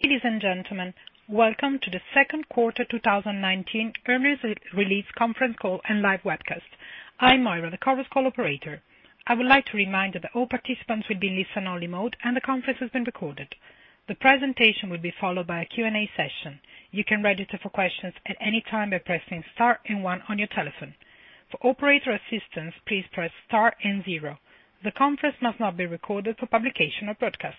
Ladies and gentlemen, welcome to the Second Quarter 2019 Earnings Release Conference Call and Live Webcast. I'm Moira, the conference call operator. I would like to remind you that all participants will be in listen-only mode, and the conference is being recorded. The presentation will be followed by a Q&A session. You can register for questions at any time by pressing star and one on your telephone. For operator assistance, please press star and zero. The conference must not be recorded for publication or broadcast.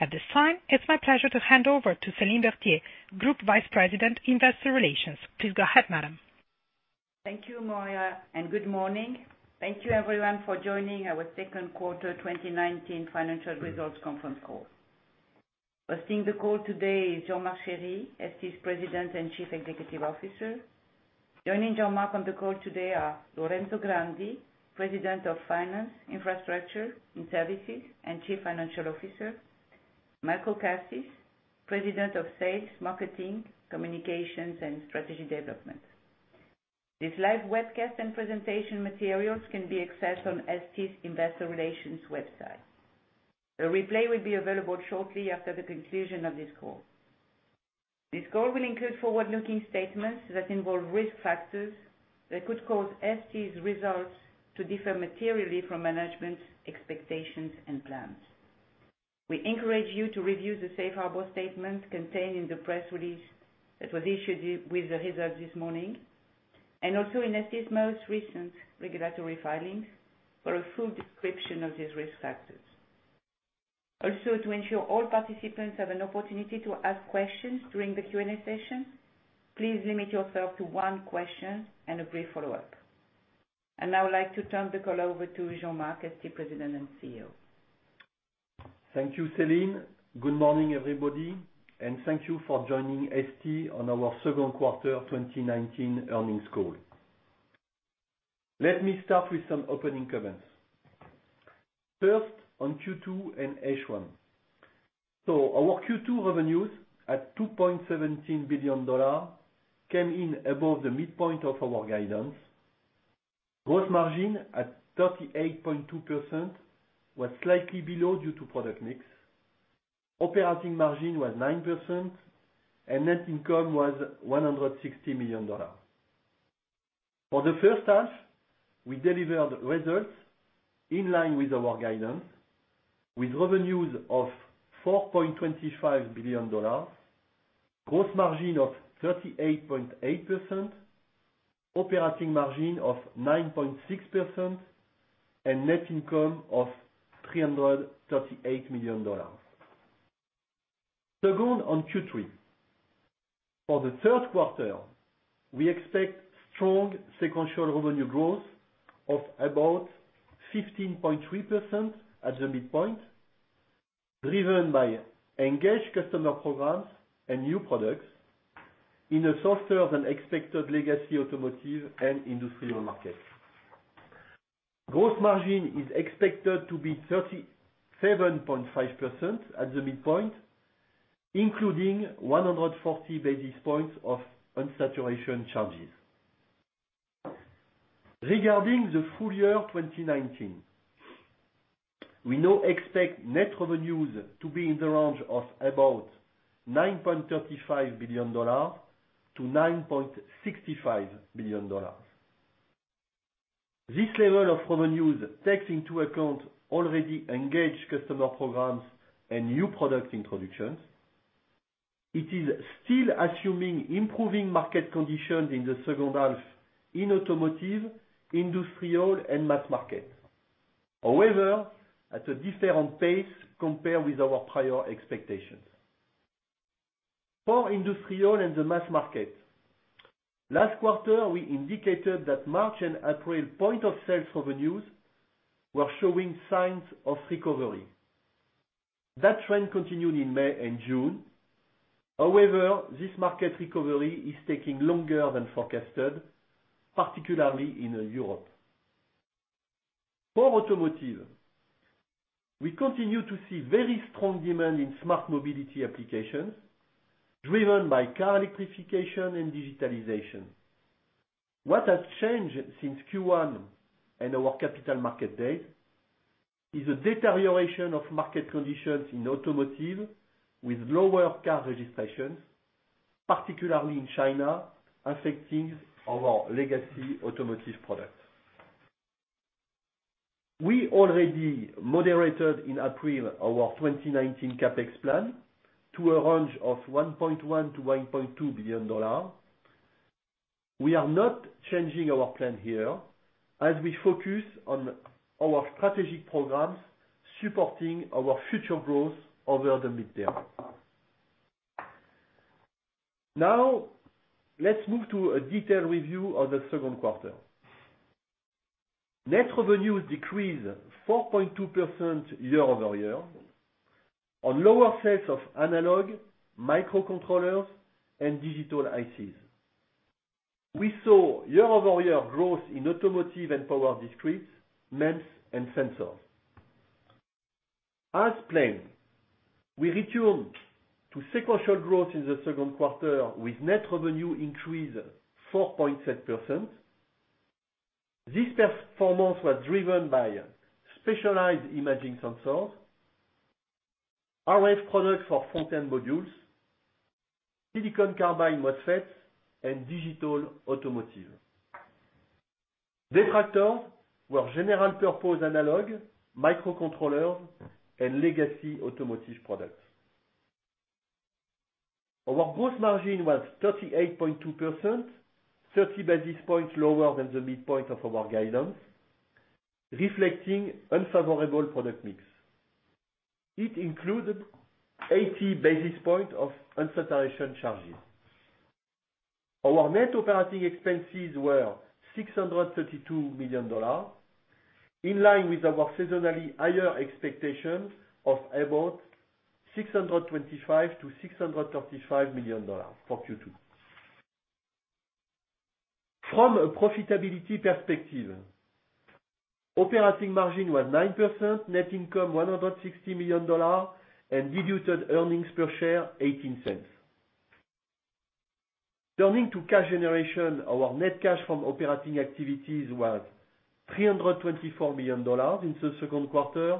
At this time, it's my pleasure to hand over to Celine Berthier, Group Vice President, Investor Relations. Please go ahead, madam. Thank you, Moira. Good morning. Thank you everyone for joining our Second Quarter 2019 Financial Results Conference Call. Hosting the call today is Jean-Marc Chery, ST's President and Chief Executive Officer. Joining Jean-Marc on the call today are Lorenzo Grandi, President of Finance, Infrastructure, and Services and Chief Financial Officer, Marco Cassis, President of Sales, Marketing, Communications, and Strategy Development. This live webcast and presentation materials can be accessed on ST's Investor Relations website. A replay will be available shortly after the conclusion of this call. This call will include forward-looking statements that involve risk factors that could cause ST's results to differ materially from management's expectations and plans. We encourage you to review the safe harbor statement contained in the press release that was issued with the results this morning, and also in ST's most recent regulatory filings for a full description of these risk factors. Also, to ensure all participants have an opportunity to ask questions during the Q&A session, please limit yourself to one question and a brief follow-up. I now would like to turn the call over to Jean-Marc, ST President and CEO. Thank you, Celine. Good morning, everybody, and thank you for joining ST on our Second Quarter 2019 Earnings Call. Let me start with some opening comments. First, on Q2 and H1. Our Q2 revenues, at $2.17 billion, came in above the midpoint of our guidance. Gross margin at 38.2% was slightly below due to product mix. Operating margin was 9%, and net income was $160 million. For the first half, we delivered results in line with our guidance, with revenues of $4.25 billion, gross margin of 38.8%, operating margin of 9.6%, and net income of $338 million. Second, on Q3. For the third quarter, we expect strong sequential revenue growth of about 15.3% at the midpoint, driven by engaged customer programs and new products in a softer than expected legacy automotive and industrial markets. Gross margin is expected to be 37.5% at the midpoint, including 140 basis points of unsaturation charges. Regarding the full year 2019, we now expect net revenues to be in the range of about $9.35 billion-$9.65 billion. This level of revenues takes into account already engaged customer programs and new product introductions. It is still assuming improving market conditions in the second half in automotive, industrial, and mass market. At a different pace compared with our prior expectations. For industrial and the mass market, last quarter, we indicated that March and April point of sales revenues were showing signs of recovery. That trend continued in May and June. This market recovery is taking longer than forecasted, particularly in Europe. For automotive, we continue to see very strong demand in smart mobility applications driven by car electrification and digitalization. What has changed since Q1 and our Capital Markets Day is a deterioration of market conditions in automotive with lower car registrations, particularly in China, affecting our legacy automotive products. We already moderated in April our 2019 CapEx plan to a range of $1.1 billion-$1.2 billion. We are not changing our plan here as we focus on our strategic programs supporting our future growth over the midterm. Let's move to a detailed review of the second quarter. Net revenues decreased 4.2% year-over-year on lower sales of analog, microcontrollers, and digital ICs. We saw year-over-year growth in automotive and power discrete, MEMS, and sensors. As planned, we returned to sequential growth in the second quarter with net revenue increase 4.7%. This performance was driven by specialized imaging sensors, RF products for front-end modules, silicon carbide MOSFETs, and digital automotive. Detractors were general-purpose analog, microcontrollers, and legacy automotive products. Our gross margin was 38.2%, 30 basis points lower than the midpoint of our guidance, reflecting unfavorable product mix. It included 80 basis points of unsaturation charges. Our net operating expenses were EUR 632 million, in line with our seasonally higher expectation of about EUR 625 million-EUR 635 million for Q2. From a profitability perspective, operating margin was 9%, net income $160 million, and diluted earnings per share 0.18. Turning to cash generation, our net cash from operating activities was EUR 324 million in the second quarter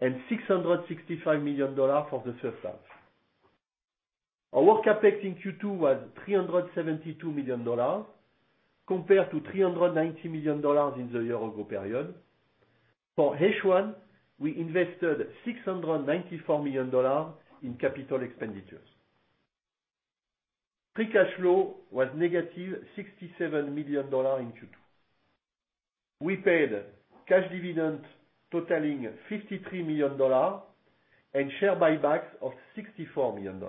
and EUR 665 million for the first half. Our CapEx in Q2 was EUR 372 million, compared to EUR 390 million in the year-ago period. For H1, we invested EUR 694 million in capital expenditures. Free cash flow was negative EUR 67 million in Q2. We paid cash dividends totaling EUR 53 million and share buybacks of EUR 64 million.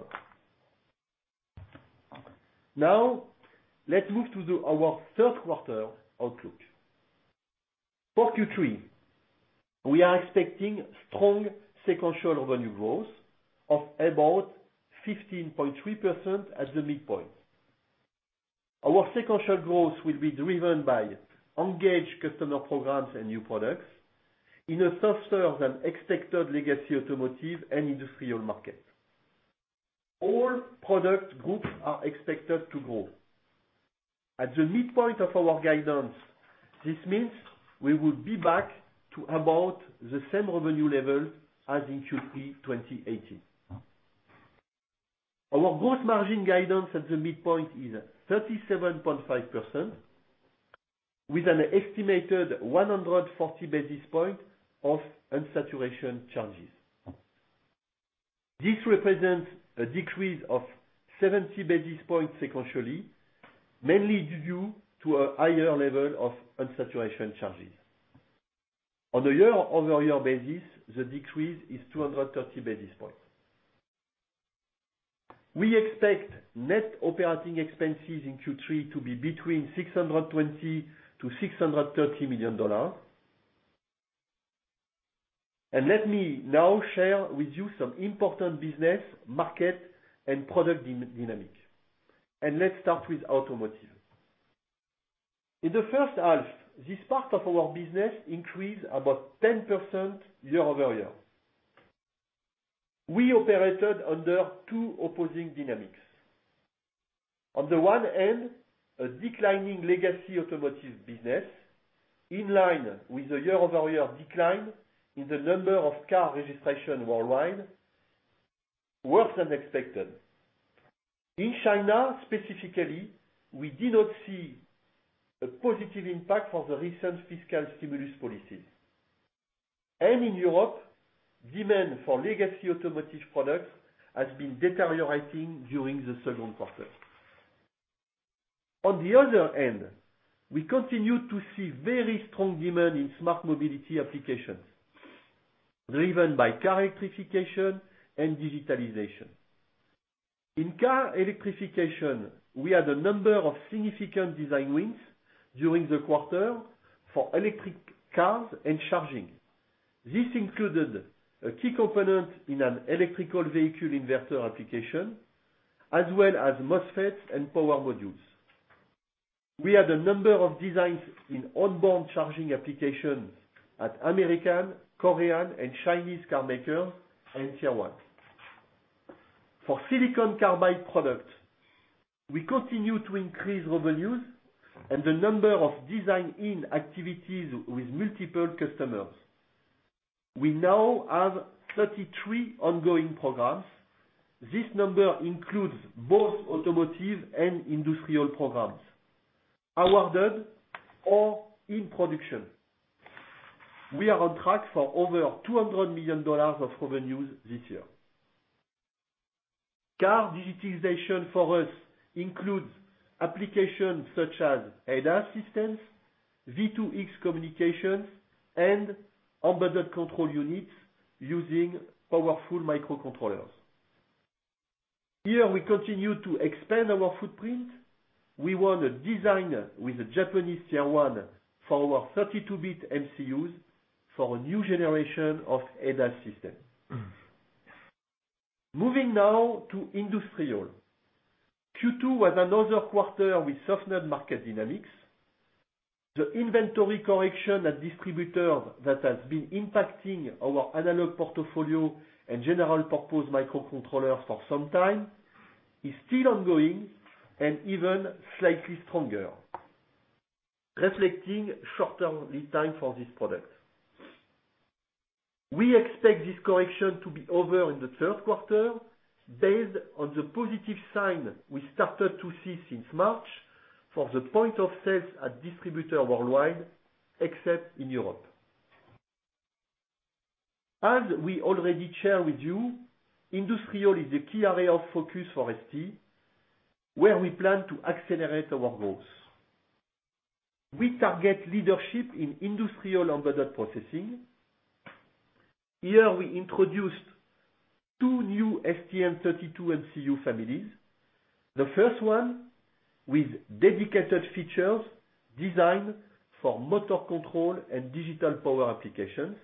Now, let's move to our third quarter outlook. For Q3, we are expecting strong sequential revenue growth of about 15.3% at the midpoint. Our sequential growth will be driven by engaged customer programs and new products in a softer-than-expected legacy automotive and industrial market. All product groups are expected to grow. At the midpoint of our guidance, this means we will be back to about the same revenue level as in Q3 2018. Our gross margin guidance at the midpoint is 37.5%, with an estimated 140 basis points of unsaturation charges. This represents a decrease of 70 basis points sequentially, mainly due to a higher level of unsaturation charges. On a year-over-year basis, the decrease is 230 basis points. We expect net operating expenses in Q3 to be between $620 million-$630 million. Let me now share with you some important business, market, and product dynamics. Let's start with automotive. In the first half, this part of our business increased about 10% year-over-year. We operated under two opposing dynamics. On the one hand, a declining legacy automotive business, in line with the year-over-year decline in the number of car registrations worldwide, worse than expected. In China, specifically, we did not see a positive impact from the recent fiscal stimulus policies. In Europe, demand for legacy automotive products has been deteriorating during the second quarter. On the other hand, we continue to see very strong demand in smart mobility applications, driven by car electrification and digitalization. In car electrification, we had a number of significant design wins during the quarter for electric cars and charging. This included a key component in an electrical vehicle inverter application, as well as MOSFETs and power modules. We had a number of designs in onboard charging applications at American, Korean, and Chinese car makers and Tier 1. For silicon carbide products, we continue to increase revenues and the number of design-in activities with multiple customers. We now have 33 ongoing programs. This number includes both automotive and industrial programs, awarded or in production. We are on track for over EUR 200 million of revenues this year. Car digitalization for us includes applications such as ADAS systems, V2X communications, and embedded control units using powerful microcontrollers. Here, we continue to expand our footprint. We won a design with a Japanese Tier 1 for our 32-bit MCUs for a new generation of ADAS systems. Moving now to industrial. Q2 was another quarter with softened market dynamics. The inventory correction at distributors that has been impacting our analog portfolio and general-purpose microcontrollers for some time is still ongoing and even slightly stronger, reflecting shorter lead time for this product. We expect this correction to be over in the third quarter, based on the positive sign we started to see since March for the point of sales at distributor worldwide, except in Europe. As we already shared with you, industrial is the key area of focus for ST, where we plan to accelerate our growth. We target leadership in industrial embedded processing. Here, we introduced two new STM32 MCU families. The first one, with dedicated features designed for motor control and digital power applications,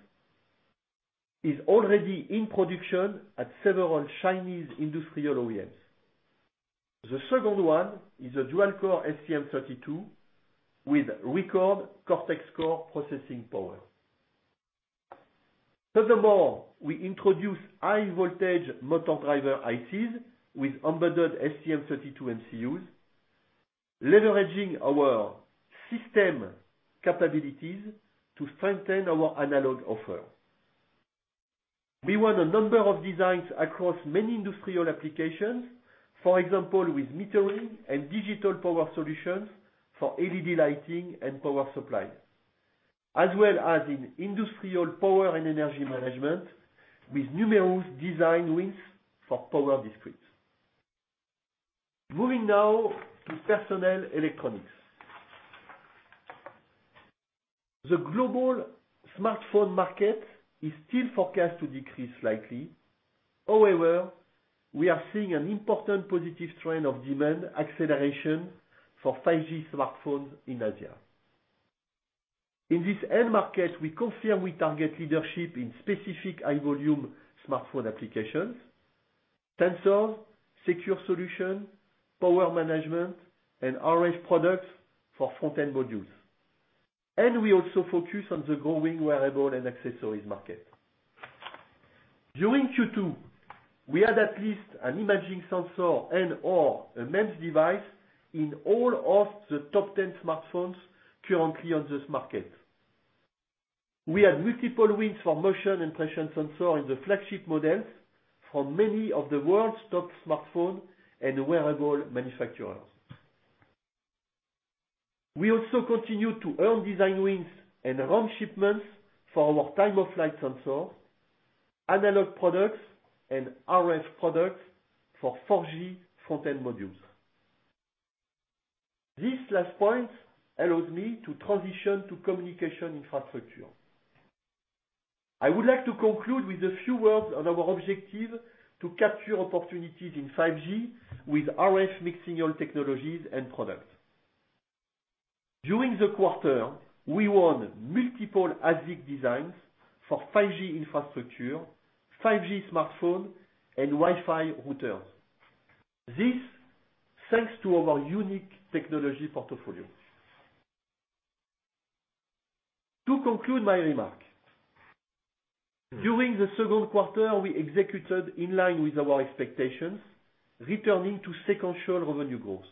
is already in production at several Chinese industrial OEMs. The second one is a dual-core STM32, with record CoreMark score processing power. Furthermore, we introduce high voltage motor driver ICs with embedded STM32 MCUs, leveraging our system capabilities to strengthen our analog offer. We won a number of designs across many industrial applications. For example, with metering and digital power solutions for LED lighting and power supply, as well as in industrial power and energy management, with numerous design wins for power discrete. Moving now to personal electronics. The global smartphone market is still forecast to decrease slightly. We are seeing an important positive trend of demand acceleration for 5G smartphones in Asia. In this end market, we confirm we target leadership in specific high volume smartphone applications, sensors, secure solution, power management, and RF products for front-end modules. We also focus on the growing wearable and accessories market. During Q2, we had at least an imaging sensor and/or a MEMS device in all of the top 10 smartphones currently on this market. We had multiple wins for motion and pressure sensor in the flagship models from many of the world's top smartphone and wearable manufacturers. We also continue to earn design wins and ramp shipments for our time-of-flight sensor, analog products, and RF products for 4G front-end modules. This last point allows me to transition to communication infrastructure. I would like to conclude with a few words on our objective to capture opportunities in 5G with RF mixed-signal technologies and products. During the quarter, we won multiple ASIC designs for 5G infrastructure, 5G smartphone, and Wi-Fi routers. This, thanks to our unique technology portfolio. To conclude my remarks, during the second quarter, we executed in line with our expectations, returning to sequential revenue growth.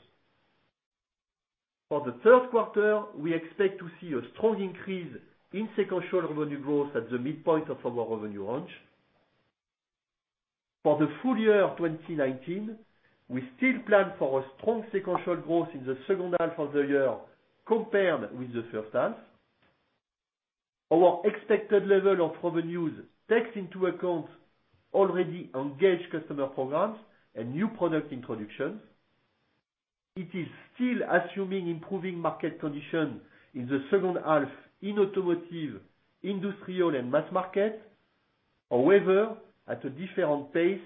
For the third quarter, we expect to see a strong increase in sequential revenue growth at the midpoint of our revenue range. For the full year 2019, we still plan for a strong sequential growth in the second half of the year compared with the first half. Our expected level of revenues takes into account already engaged customer programs and new product introductions. It is still assuming improving market condition in the second half in automotive, industrial, and mass market. However, at a different pace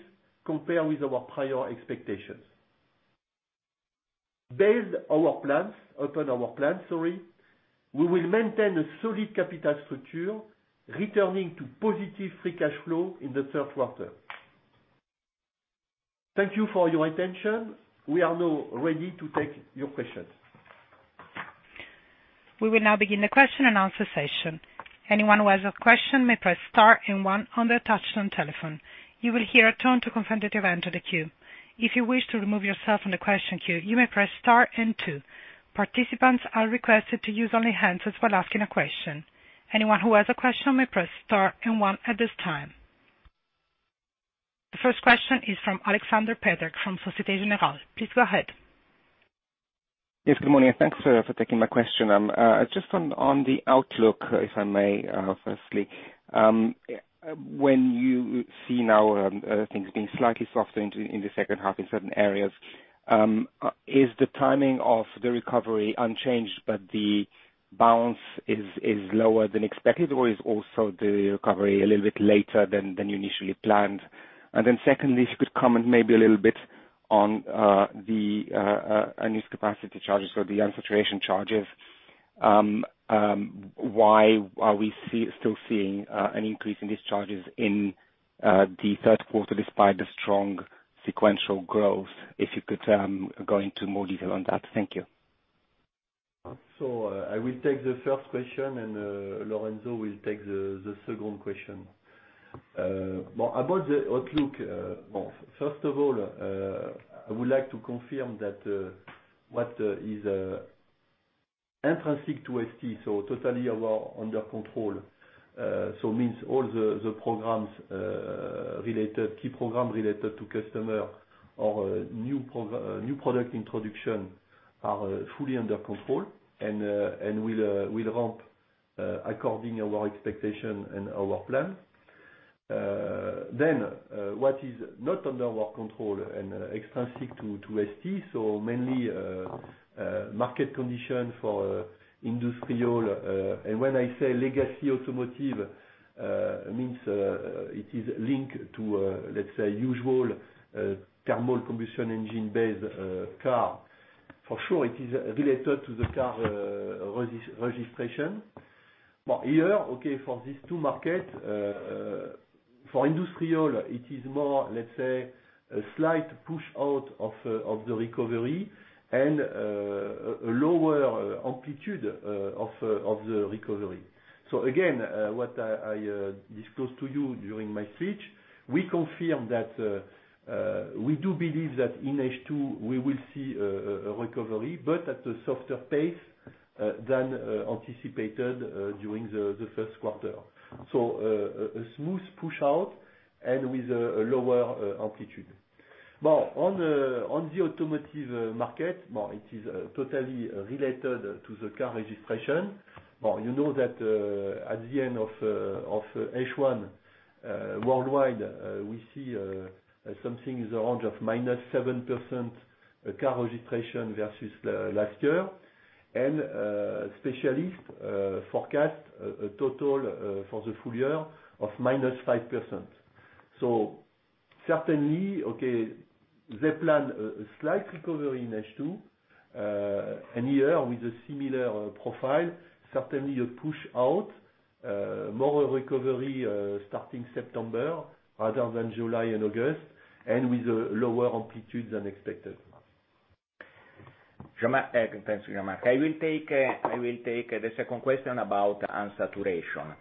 compared with our prior expectations. Based upon our plan, we will maintain a solid capital structure, returning to positive free cash flow in the third quarter. Thank you for your attention. We are now ready to take your questions. We will now begin the question-and-answer session. Anyone who has a question may press star and one on their touchtone telephone. You will hear a tone to confirm that you've entered the queue. If you wish to remove yourself from the question queue, you may press star and two. Participants are requested to use only hands while asking a question. Anyone who has a question may press star and one at this time. The first question is from Alexander Peterc from Societe Generale. Please go ahead. Yes, good morning, and thanks for taking my question. Just on the outlook, if I may, firstly. When you see now things being slightly softer in the second half in certain areas, is the timing of the recovery unchanged, but the bounce is lower than expected, or is also the recovery a little bit later than you initially planned? Secondly, if you could comment maybe a little bit on these capacity charges or the unsaturation charges. Why are we still seeing an increase in these charges in the third quarter, despite the strong sequential growth? If you could go into more detail on that. Thank you. I will take the first question, and Lorenzo will take the second question. About the outlook, first of all, I would like to confirm that what is intrinsic to ST, so totally under our control. It means all the key program related to customer or new product introduction are fully under control and will ramp according to our expectation and our plan. What is not under our control and extrinsic to ST, so mainly market condition for industrial. When I say legacy automotive, it means it is linked to, let's say, usual thermal combustion engine-based car. For sure, it is related to the car registration. Here, okay, for these two markets, for industrial, it is more, let's say, a slight push out of the recovery and a lower amplitude of the recovery. Again, what I disclosed to you during my speech, we confirm that we do believe that in H2, we will see a recovery, but at a softer pace than anticipated during the first quarter. A smooth push out and with a lower amplitude. On the automotive market, it is totally related to the car registration. You know that at the end of H1, worldwide, we see something in the range of -7% car registration versus last year. Specialists forecast a total for the full year of -5%. Certainly, okay, they plan a slight recovery in H2 and here with a similar profile, certainly a push out, more a recovery starting September rather than July and August, and with a lower amplitude than expected. Thanks, Jean-Marc. I will take the second question about unsaturation.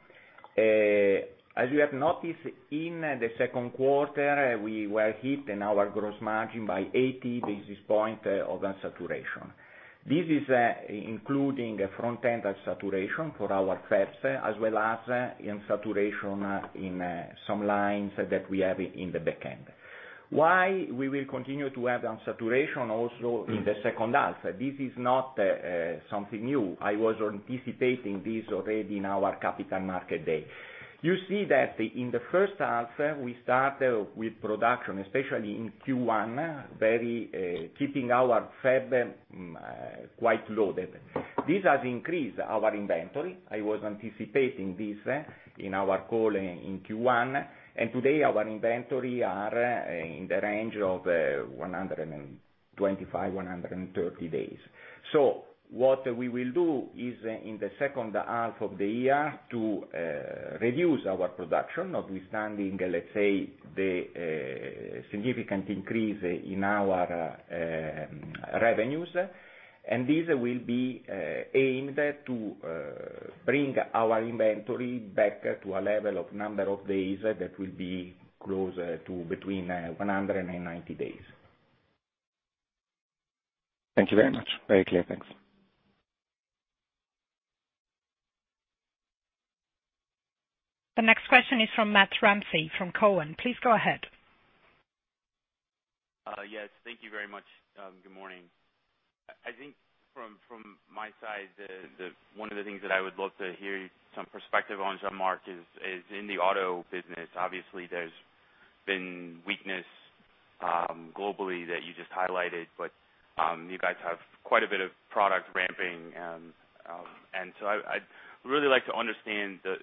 As you have noticed in the second quarter, we were hit in our gross margin by 80 basis points of unsaturation. This is including a front-end unsaturation for our fabs, as well as unsaturation in some lines that we have in the back-end. Why we will continue to have unsaturation also in the second half? This is not something new. I was anticipating this already in our Capital Markets Day. You see that in the first half, we start with production, especially in Q1, keeping our fab quite loaded. This has increased our inventory. I was anticipating this in our call in Q1, and today our inventory is in the range of 125, 130 days. What we will do is in the second half of the year to reduce our production, notwithstanding, let's say, the significant increase in our revenues, and this will be aimed to bring our inventory back to a level of number of days that will be closer to between 100 and 90 days. Thank you very much. Very clear. Thanks. The next question is from Matt Ramsay, from Cowen. Please go ahead. Yes. Thank you very much. Good morning. I think from my side, one of the things that I would love to hear some perspective on, Jean-Marc, is in the auto business. Obviously, there's been weakness globally that you just highlighted, but you guys have quite a bit of product ramping. I'd really like to understand the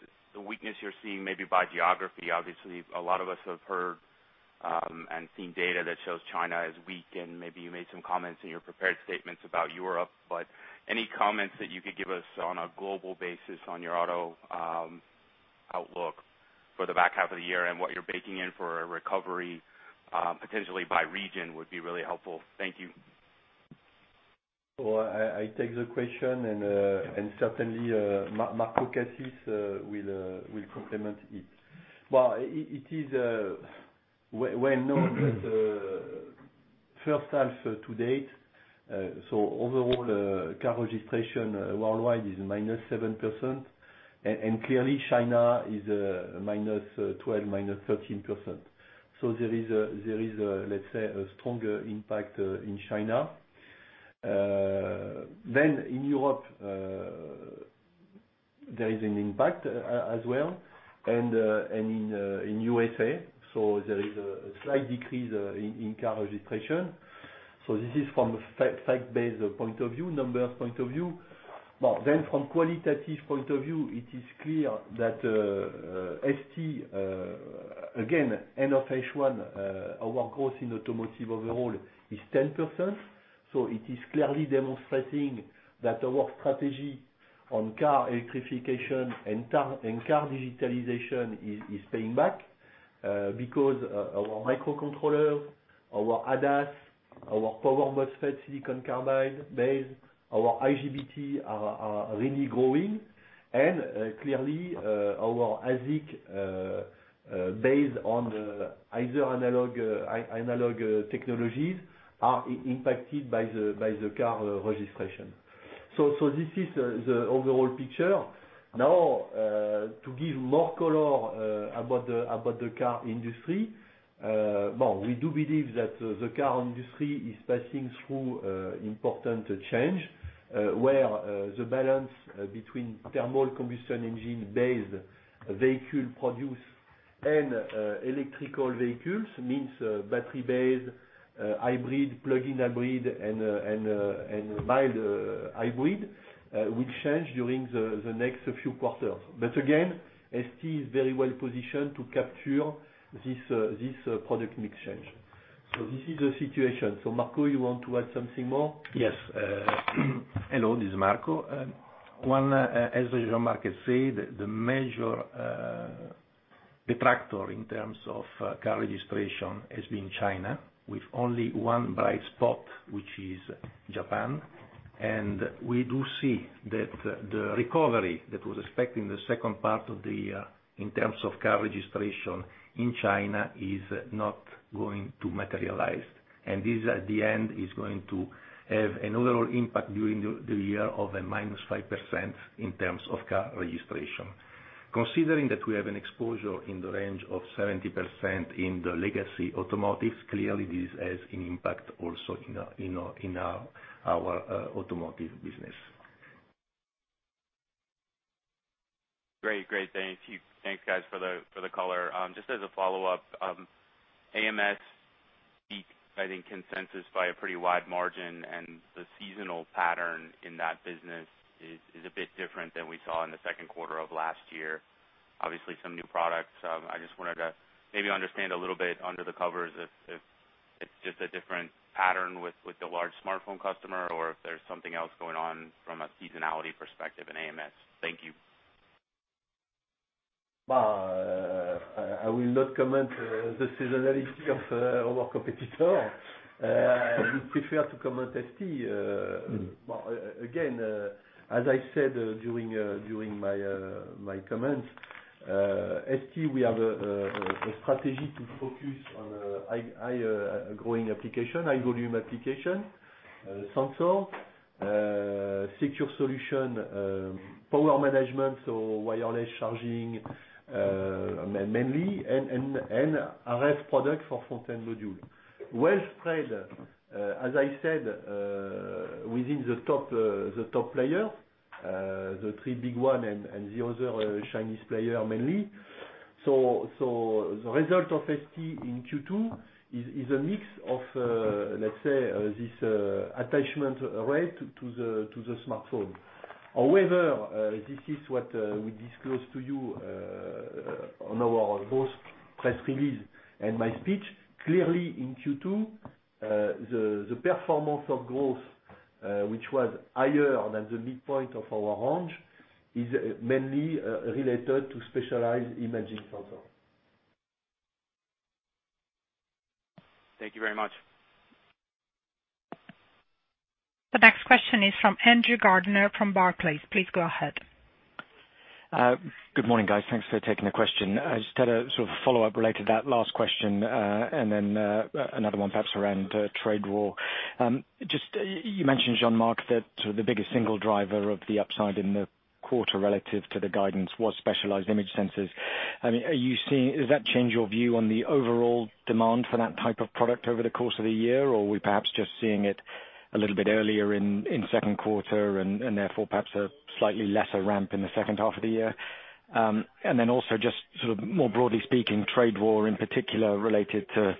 weakness you're seeing maybe by geography. Obviously, a lot of us have heard and seen data that shows China is weak, and maybe you made some comments in your prepared statements about Europe, but any comments that you could give us on a global basis on your auto outlook for the back half of the year and what you're baking in for a recovery, potentially by region, would be really helpful. Thank you. I take the question, and certainly, Marco Cassis will complement it. It is well known that first half to date, overall car registration worldwide is -7%, and China is -12%, -13%. There is a stronger impact in China. In Europe, there is an impact as well, and in USA, there is a slight decrease in car registration. This is from a fact-based point of view, numbers point of view. From qualitative point of view, it is clear that ST, again, end of H1, our growth in automotive overall is 10%. Our microcontroller, our ADAS, our power MOSFET silicon carbide base, our IGBT are really growing. Clearly, our ASIC based on either analog technologies are impacted by the car registration. This is the overall picture. Now, to give more color about the car industry. We do believe that the car industry is passing through important change, where the balance between thermal combustion engine-based vehicle produce and electrical vehicles, means battery-based hybrid, plug-in hybrid, and mild hybrid, will change during the next few quarters. Again, ST is very well positioned to capture this product mix change. This is the situation. Marco, you want to add something more? Yes. Hello, this is Marco. One, as Jean-Marc has said, the major detractor in terms of car registration has been China, with only one bright spot, which is Japan. We do see that the recovery that was expected in the second part of the year in terms of car registration in China is not going to materialize. This, at the end, is going to have an overall impact during the year of a -5% in terms of car registration. Considering that we have an exposure in the range of 70% in the legacy automotive, clearly this has an impact also in our automotive business. Great. Thank you. Thanks guys for the color. Just as a follow-up, ams beat, I think, consensus by a pretty wide margin. The seasonal pattern in that business is a bit different than we saw in the second quarter of last year. Obviously, some new products. I just wanted to maybe understand a little bit under the covers if it's just a different pattern with the large smartphone customer or if there's something else going on from a seasonality perspective in ams. Thank you. I will not comment the seasonality of our competitor. I would prefer to comment ST. As I said during my comments, ST, we have a strategy to focus on high growing application, high volume application, sensor, secure solution, power management, so wireless charging, mainly. RF product for front-end module. Well spread, as I said, within the top players, the three big one and the other Chinese player mainly. The result of ST in Q2 is a mix of, let's say, this attachment rate to the smartphone. However, this is what we disclose to you on our both press release and my speech. Clearly in Q2, the performance of growth, which was higher than the midpoint of our range, is mainly related to specialized imaging sensor. Thank you very much. The next question is from Andrew Gardiner from Barclays. Please go ahead. Good morning, guys. Thanks for taking the question. I just had a sort of follow-up related to that last question, and then, another one perhaps around trade war. Just you mentioned, Jean-Marc, that sort of the biggest single driver of the upside in the quarter relative to the guidance was specialized image sensors. Does that change your view on the overall demand for that type of product over the course of the year? Or are we perhaps just seeing it a little bit earlier in second quarter and therefore perhaps a slightly lesser ramp in the second half of the year? Also just sort of more broadly speaking, trade war in particular related to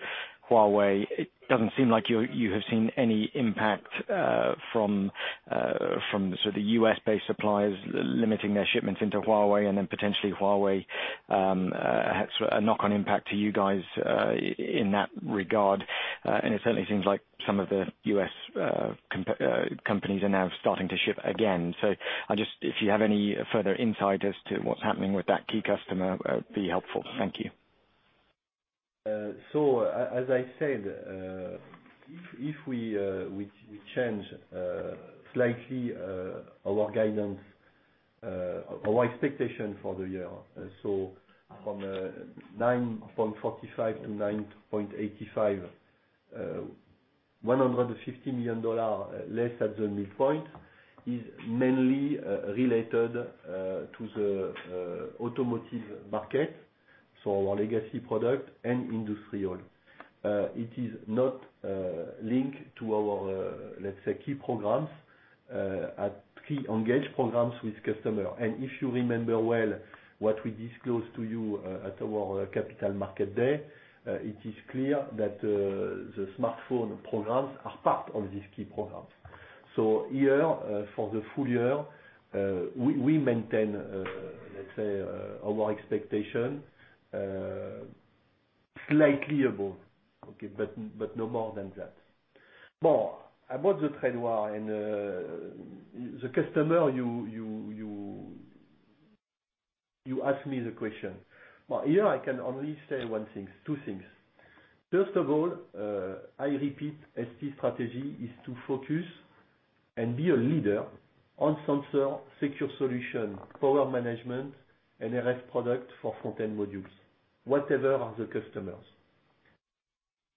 Huawei. It doesn't seem like you have seen any impact, from sort of the U.S.-based suppliers limiting their shipments into Huawei and then potentially Huawei has a knock-on impact to you guys, in that regard. It certainly seems like some of the U.S. companies are now starting to ship again. If you have any further insight as to what's happening with that key customer, that would be helpful. Thank you. As I said, if we change slightly our guidance, our expectation for the year from 9.45-9.85. EUR 150 million less at the midpoint is mainly related to the automotive market, so our legacy product and industrial. It is not linked to our, let's say, key programs at key engaged programs with customer. If you remember well what we disclosed to you at our Capital Markets Day, it is clear that the smartphone programs are part of these key programs. Here, for the full year, we maintain, let's say, our expectation, slightly above, okay? No more than that. About the trade war and the customer you asked me the question. Here I can only say two things. First of all, I repeat, ST strategy is to focus and be a leader on sensor secure solution, power management, and RF product for front-end modules, whatever are the customers.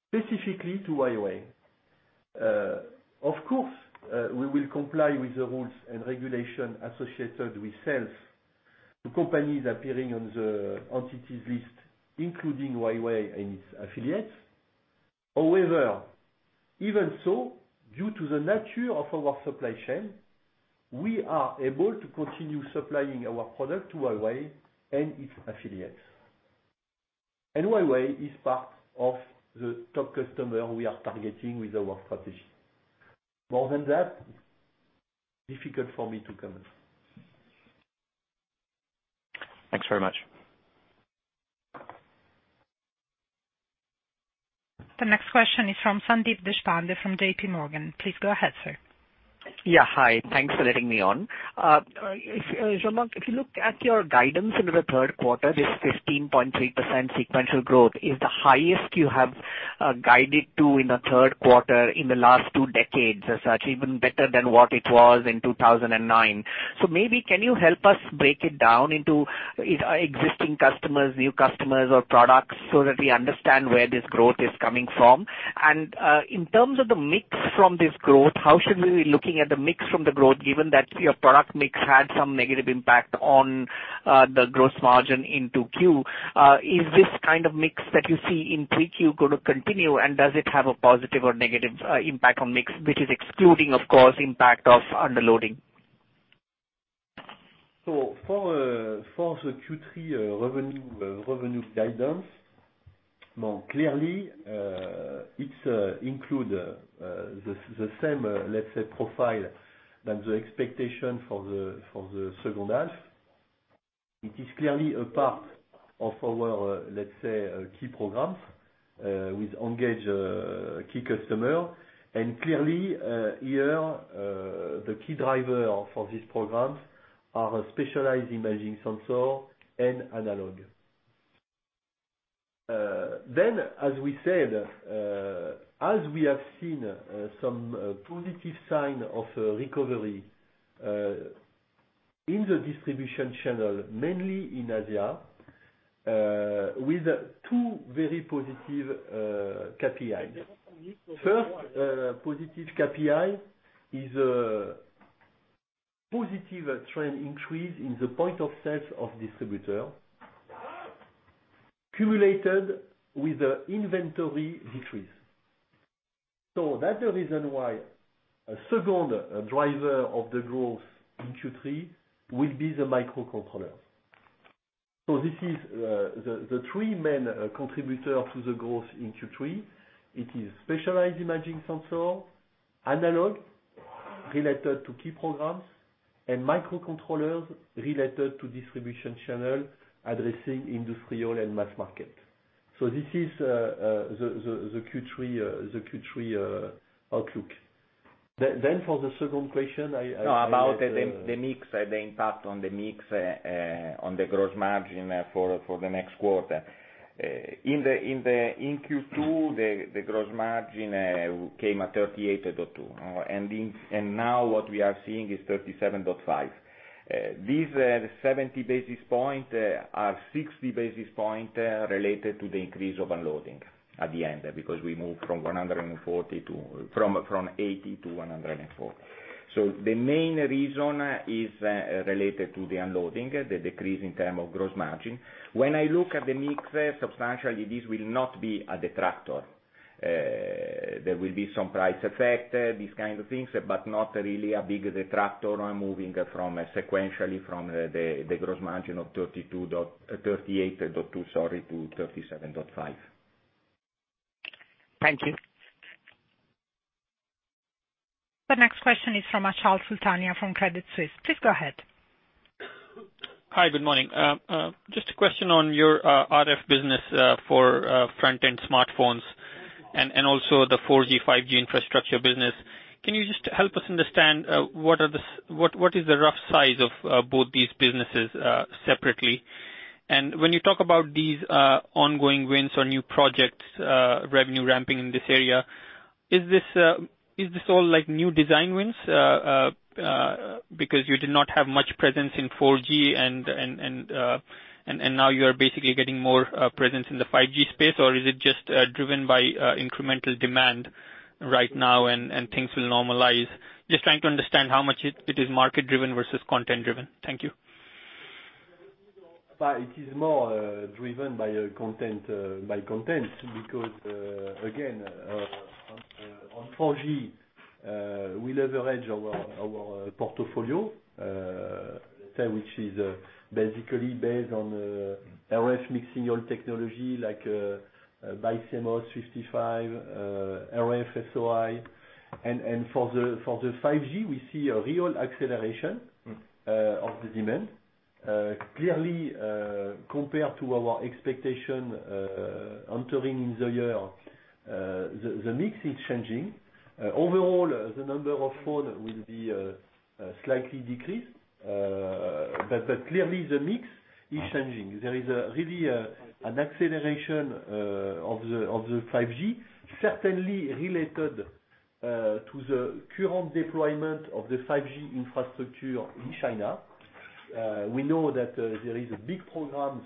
Specifically to Huawei, of course, we will comply with the rules and regulation associated with sales to companies appearing on the Entity List, including Huawei and its affiliates. Even so, due to the nature of our supply chain, we are able to continue supplying our product to Huawei and its affiliates. Huawei is part of the top customer we are targeting with our strategy. More than that, it is difficult for me to comment. Thanks very much. The next question is from Sandeep Deshpande from JPMorgan. Please go ahead, sir. Yeah. Hi. Thanks for letting me on. Jean-Marc, if you look at your guidance into the third quarter, this 15.3% sequential growth is the highest you have guided to in the third quarter in the last two decades as such, even better than what it was in 2009. Maybe can you help us break it down into existing customers, new customers, or products so that we understand where this growth is coming from? In terms of the mix from this growth, how should we be looking at the mix from the growth, given that your product mix had some negative impact on the gross margin in 2Q? Is this kind of mix that you see in 3Q going to continue, and does it have a positive or negative impact on mix, which is excluding, of course, impact of underloading? For the Q3 revenue guidance, clearly, it includes the same, let's say, profile than the expectation for the second half. It is clearly a part of our key programs, with engaged key customer. Clearly, here, the key driver for these programs are specialized imaging sensor and analog. As we said, as we have seen some positive sign of recovery in the distribution channel, mainly in Asia, with two very positive KPIs. First positive KPI is a positive trend increase in the point of sales of distributor, cumulated with the inventory decrease. That's the reason why a second driver of the growth in Q3 will be the microcontrollers. This is the three main contributors to the growth in Q3. It is specialized imaging sensor, analog related to key programs, and microcontrollers related to distribution channel addressing industrial and mass market. This is the Q3 outlook. For the second question. About the mix, the impact on the mix on the gross margin for the next quarter. In Q2, the gross margin came at 38.2%. Now what we are seeing is 37.5%. These 70 basis points are 60 basis points related to the increase of unloading at the end, because we moved from 80% to 104%. The main reason is related to the unloading, the decrease in terms of gross margin. When I look at the mix, substantially, this will not be a detractor. There will be some price effect, these kinds of things, not really a big detractor on moving sequentially from the gross margin of 38.2%, sorry, to 37.5%. Thank you. The next question is from Achal Sultania from Credit Suisse. Please go ahead. Hi, good morning. Just a question on your RF business for front-end smartphones and also the 4G/5G infrastructure business. Can you just help us understand what is the rough size of both these businesses separately? When you talk about these ongoing wins or new projects, revenue ramping in this area, is this all new design wins because you did not have much presence in 4G and now you are basically getting more presence in the 5G space? Is it just driven by incremental demand right now and things will normalize? Just trying to understand how much it is market-driven versus content-driven. Thank you. It is more driven by content, because, again, on 4G, we leverage our portfolio, which is basically based on RF mixed-signal technology like BiCMOS 55, RF SOI. For the 5G, we see a real acceleration of the demand. Clearly, compared to our expectation entering the year, the mix is changing. Overall, the number of phone will be slightly decreased. Clearly the mix is changing. There is really an acceleration of the 5G, certainly related to the current deployment of the 5G infrastructure in China. We know that there is a big program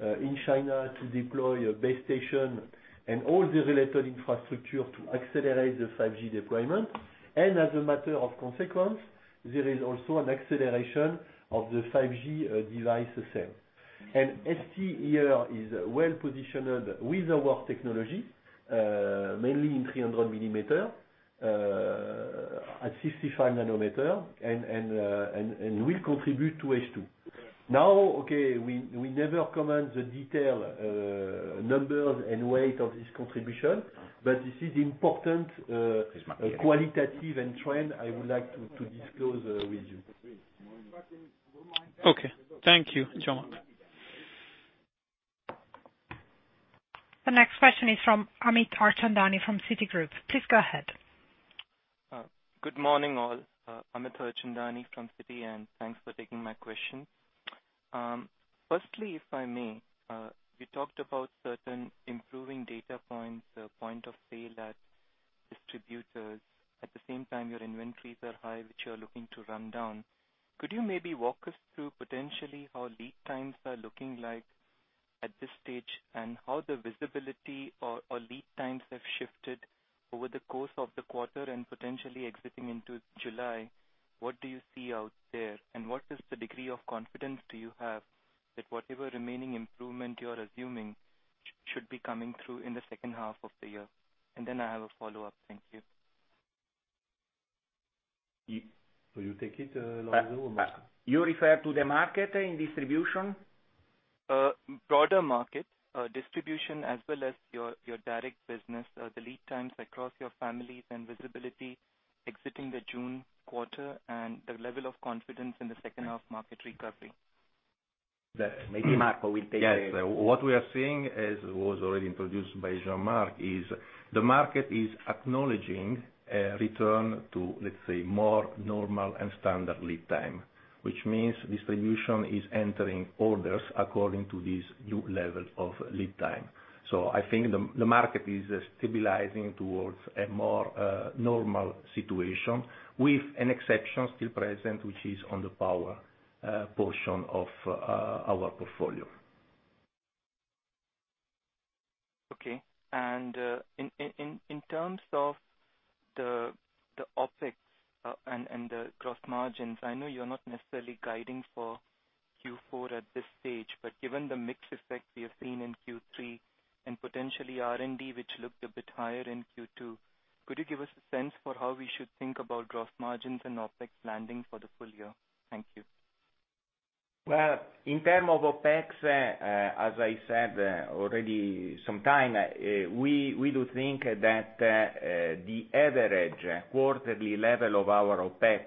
in China to deploy a base station and all the related infrastructure to accelerate the 5G deployment. As a matter of consequence, there is also an acceleration of the 5G device itself. ST here is well-positioned with our technology, mainly in 300 mm, at 65 nm, and will contribute to H2. Okay, we never comment the detail numbers and weight of this contribution, but this is important qualitative and trend I would like to disclose with you. Okay. Thank you, Jean-Marc. The next question is from Amit Harchandani, from Citigroup. Please go ahead. Good morning, all. Amit Harchandani from Citi. Thanks for taking my question. Firstly, if I may, you talked about certain improving data points, point of sale at distributors. At the same time, your inventories are high, which you're looking to run down. Could you maybe walk us through potentially how lead times are looking like at this stage, and how the visibility or lead times have shifted over the course of the quarter and potentially exiting into July? What do you see out there, and what is the degree of confidence do you have, that whatever remaining improvement you're assuming should be coming through in the second half of the year? Then I have a follow-up. Thank you. Will you take it, Lorenzo or Marco? You refer to the market in distribution? Broader market. Distribution as well as your direct business, the lead times across your families and visibility exiting the June quarter, and the level of confidence in the second half market recovery. That maybe Marco will take. Yes. What we are seeing, as was already introduced by Jean-Marc, is the market is acknowledging a return to, let's say, more normal and standard lead time, which means distribution is entering orders according to these new level of lead time. I think the market is stabilizing towards a more normal situation, with an exception still present, which is on the power portion of our portfolio. Okay. In terms of the OpEx and the gross margins, I know you're not necessarily guiding for Q4 at this stage, but given the mix effect we have seen in Q3 and potentially R&D, which looked a bit higher in Q2, could you give us a sense for how we should think about gross margins and OpEx landing for the full year? Thank you. Well, in term of OpEx, as I said already some time, we do think that the average quarterly level of our OpEx,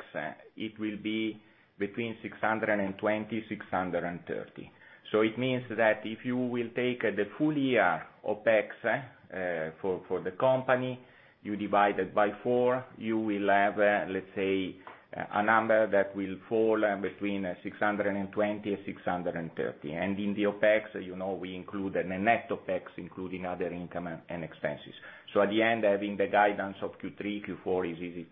it will be between 620, 630. It means that if you will take the full year OpEx for the company, you divide it by four, you will have, let's say, a number that will fall between 620 and 630. In the OpEx, we include a net OpEx, including other income and expenses. At the end, having the guidance of Q3, Q4 is easy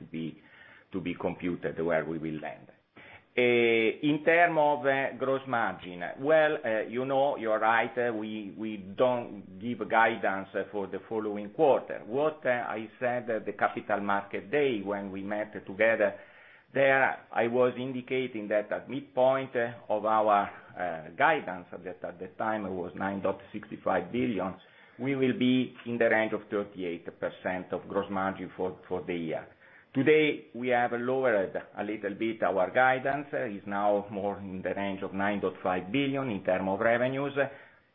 to be computed where we will land. In term of gross margin. Well, you know, you're right, we don't give guidance for the following quarter. What I said at the Capital Markets Day when we met together there, I was indicating that at midpoint of our guidance, that at the time was 9.65 billion, we will be in the range of 38% of gross margin for the year. Today, we have lowered a little bit our guidance. It's now more in the range of 9.5 billion in term of revenues.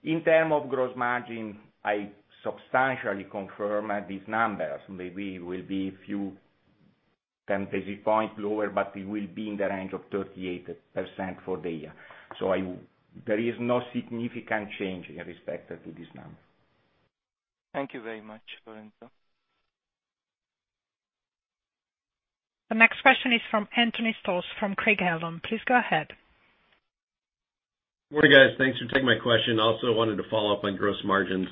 In term of gross margin, I substantially confirm these numbers. Maybe will be a few percentage point lower, but we will be in the range of 38% for the year. There is no significant change in respect to this number. Thank you very much, Lorenzo. The next question is from Anthony Stoss from Craig-Hallum. Please go ahead. Morning, guys. Thanks for taking my question. I also wanted to follow up on gross margins.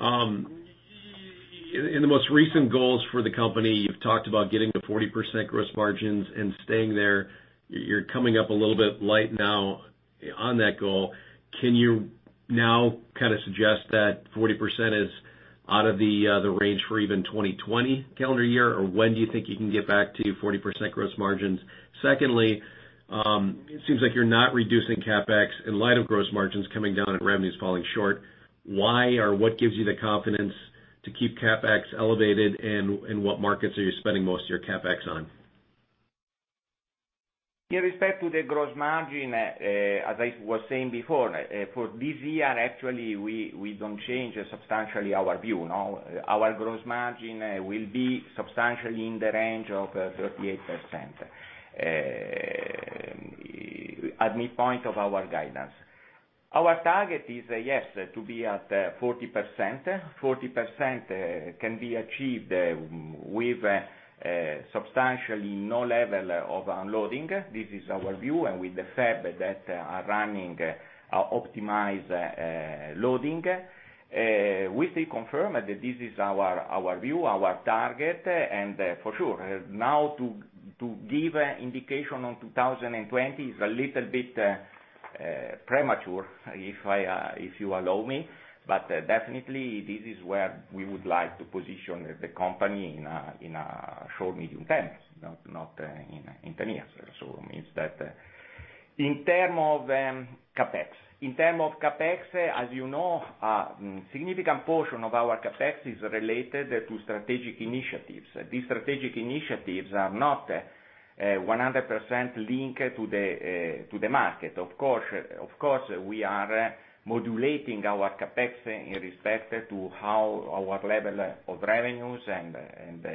In the most recent goals for the company, you've talked about getting to 40% gross margins and staying there. You're coming up a little bit light now on that goal. Can you now suggest that 40% is out of the range for even 2020 calendar year? When do you think you can get back to 40% gross margins? Secondly, it seems like you're not reducing CapEx in light of gross margins coming down and revenues falling short. Why or what gives you the confidence to keep CapEx elevated, and what markets are you spending most of your CapEx on? In respect to the gross margin, as I was saying before, for this year, actually, we don't change substantially our view. Our gross margin will be substantially in the range of 38%. At midpoint of our guidance. Our target is, yes, to be at 40%. 40% can be achieved with substantially no level of unloading. This is our view, with the fab that are running optimized loading. We still confirm that this is our view, our target. For sure now to give indication on 2020 is a little bit premature, if you allow me. Definitely, this is where we would like to position the company in short, medium terms, not in 10 years. In terms of CapEx, as you know, significant portion of our CapEx is related to strategic initiatives. These strategic initiatives are not 100% linked to the market. Of course, we are modulating our CapEx in respect to our level of revenues and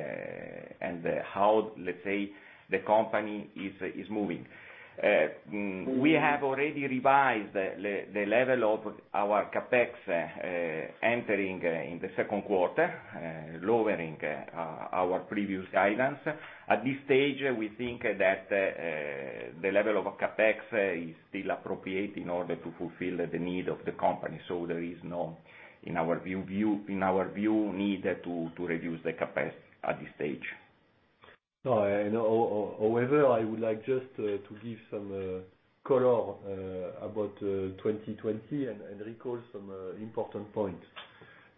how, let's say, the company is moving. We have already revised the level of our CapEx entering in the second quarter, lowering our previous guidance. At this stage, we think that the level of CapEx is still appropriate in order to fulfill the need of the company. There is no, in our view, need to reduce the CapEx at this stage. No, however, I would like just to give some color about 2020 and recall some important points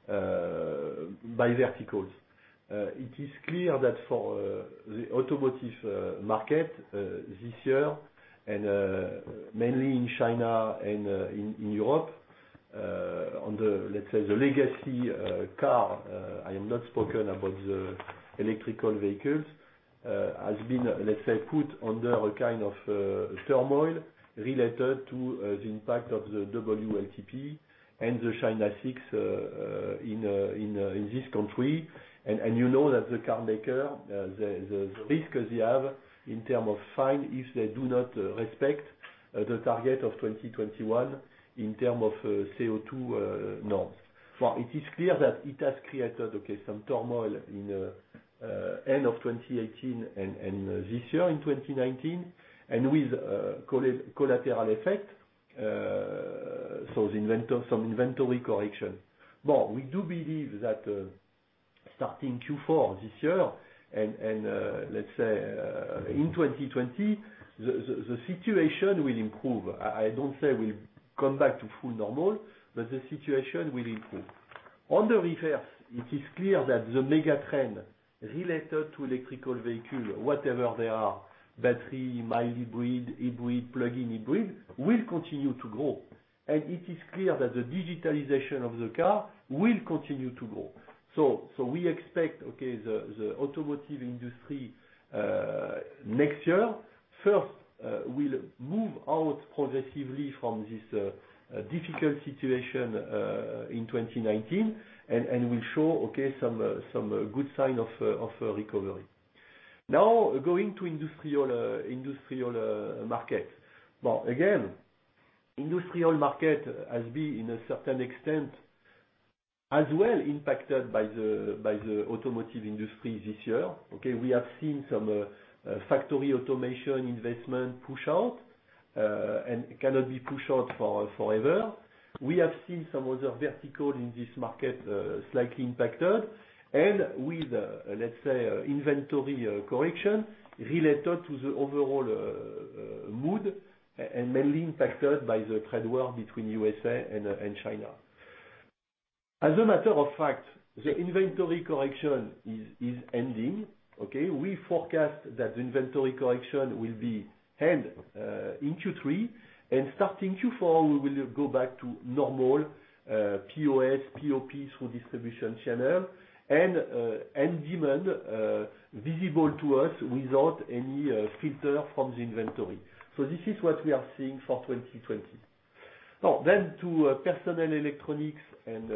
by verticals. It is clear that for the automotive market this year, and mainly in China and in Europe, on the, let's say, the legacy car, I have not spoken about the electrical vehicles, has been, let's say, put under a kind of turmoil related to the impact of the WLTP and the China 6 in this country. You know that the car maker, the risk they have in term of fine if they do not respect the target of 2021 in term of CO2 norms. It is clear that it has created, okay, some turmoil in end of 2018 and this year in 2019, and with collateral effect, some inventory correction. We do believe that starting Q4 this year, and let's say in 2020, the situation will improve. I don't say will come back to full normal, but the situation will improve. On the reverse, it is clear that the mega trend related to electrical vehicle, whatever they are, battery, mild hybrid, plug-in hybrid, will continue to grow. It is clear that the digitalization of the car will continue to grow. We expect, okay, the automotive industry, next year, first, will move out progressively from this difficult situation in 2019 and will show, okay, some good sign of recovery. Now, going to industrial market. Again, industrial market has been, in a certain extent, as well impacted by the automotive industry this year. Okay. We have seen some factory automation investment push out, and it cannot be pushed out forever. We have seen some other vertical in this market slightly impacted, and with, let's say, inventory correction related to the overall mood, and mainly impacted by the trade war between U.S.A. and China. As a matter of fact, the inventory correction is ending. Okay. We forecast that inventory correction will end in Q3, and starting Q4, we will go back to normal POS, POP through distribution channel, and demand visible to us without any filter from the inventory. This is what we are seeing for 2020. To personal electronics and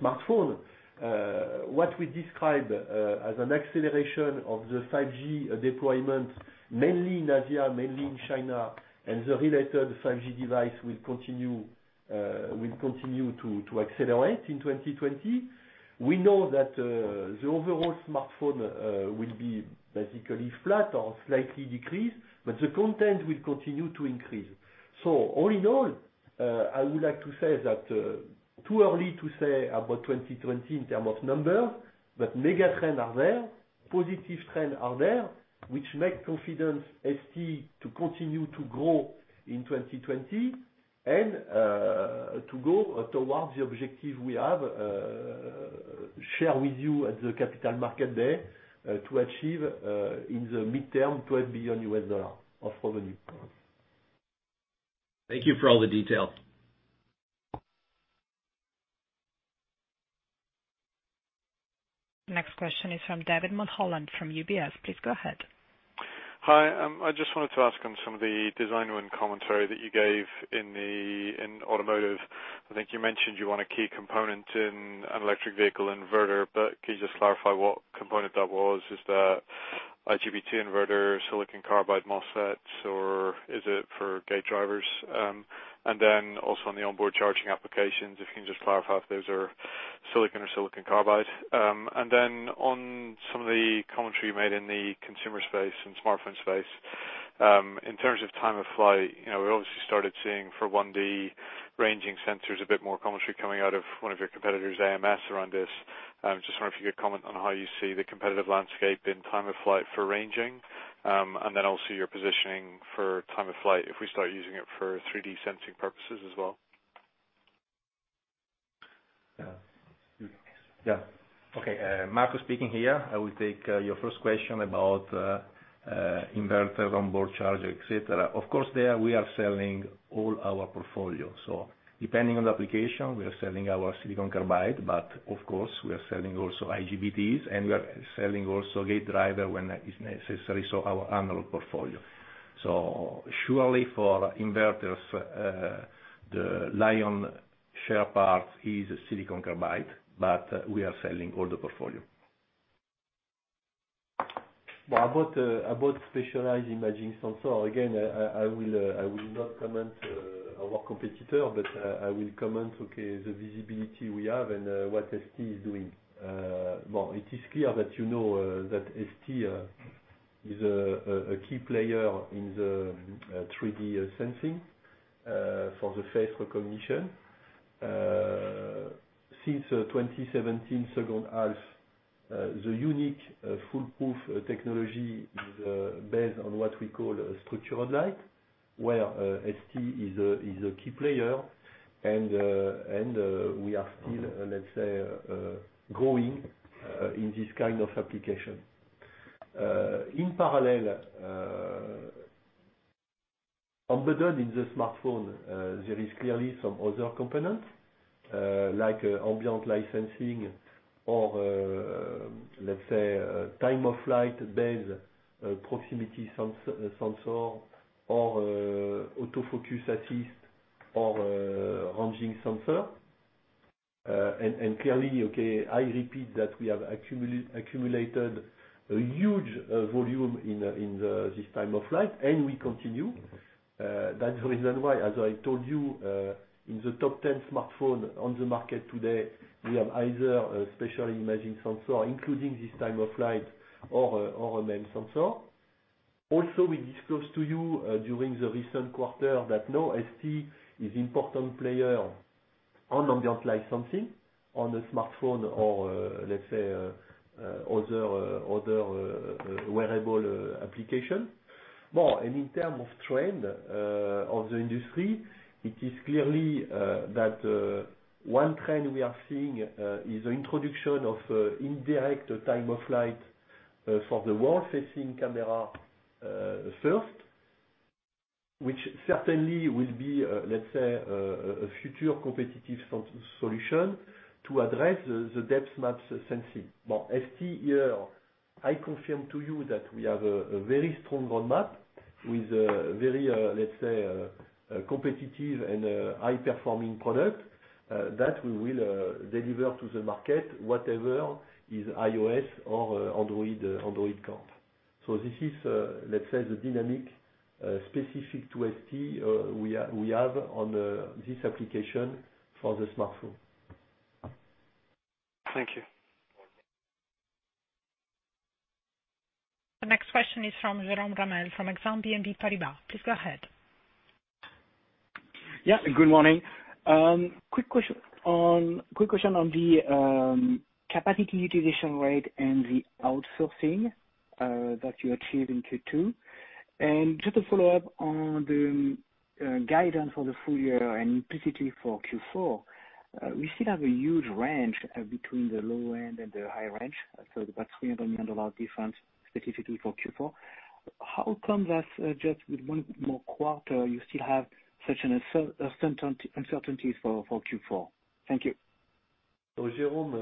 smartphone. What we describe as an acceleration of the 5G deployment, mainly in Asia, mainly in China, and the related 5G device will continue to accelerate in 2020. We know that the overall smartphone will be basically flat or slightly decreased, but the content will continue to increase. All in all, I would like to say that too early to say about 2020 in terms of numbers, mega trends are there, positive trends are there, which make confidence ST to continue to grow in 2020 and to go towards the objective we have shared with you at the Capital Markets Day, to achieve in the midterm $12 billion of revenue. Thank you for all the detail. Next question is from David Mulholland from UBS. Please go ahead. Hi. I just wanted to ask on some of the design win commentary that you gave in automotive. I think you mentioned you won a key component in an electric vehicle inverter. Can you just clarify what component that was? Is that IGBT inverter, silicon carbide MOSFETs, or is it for gate drivers? Also on the onboard charging applications, if you can just clarify if those are silicon or silicon carbide. On some of the commentary you made in the consumer space and smartphone space, in terms of time-of-flight, we obviously started seeing for 1D ranging sensors a bit more commentary coming out of one of your competitors, ams, around this. Just wonder if you could comment on how you see the competitive landscape in time-of-flight for ranging, then also your positioning for time-of-flight if we start using it for 3D sensing purposes as well. Yeah. Okay. Marco speaking here. I will take your first question about inverters, onboard charger, et cetera. There we are selling all our portfolio. Depending on the application, we are selling our silicon carbide, but of course, we are selling also IGBTs, and we are selling also gate driver when that is necessary, so our analog portfolio. Surely for inverters, the lion share part is silicon carbide, but we are selling all the portfolio. About specialized imaging sensor, again, I will not comment our competitor, but I will comment, okay, the visibility we have and what ST is doing. Well, it is clear that ST is a key player in the 3D sensing for the face recognition. Since 2017 second half, the unique foolproof technology is based on what we call structured light, where ST is a key player and we are still, let's say, growing in this kind of application. In parallel, embedded in the smartphone, there is clearly some other components, like ambient light sensing or, let's say, time-of-flight based proximity sensor or autofocus assist or ranging sensor. Clearly, okay, I repeat that we have accumulated a huge volume in this time-of-flight, and we continue. That's the reason why, as I told you, in the top 10 smartphone on the market today, we have either a specialty imaging sensor, including this time-of-flight or a main sensor. Also, we disclose to you, during the recent quarter that now ST is important player on ambient light sensing on the smartphone or, let's say, other wearable application. Well, in term of trend of the industry, it is clearly that one trend we are seeing is the introduction of indirect time-of-flight for the world-facing camera first, which certainly will be, let's say, a future competitive solution to address the depth maps sensing. Well, ST here, I confirm to you that we have a very strong roadmap with very, let's say, competitive and high-performing product that we will deliver to the market, whatever is iOS or Android camp. This is, let's say, the dynamic specific to ST, we have on this application for the smartphone. Thank you. The next question is from Jerome Ramel, from Exane BNP Paribas. Please go ahead. Yeah. Good morning. Quick question on the capacity utilization rate and the outsourcing that you achieved in Q2. Just to follow up on the guidance for the full year and implicitly for Q4, we still have a huge range between the low end and the high range. About $300 million difference, specifically for Q4. How come that just with one more quarter, you still have such an uncertainty for Q4? Thank you. Jerome,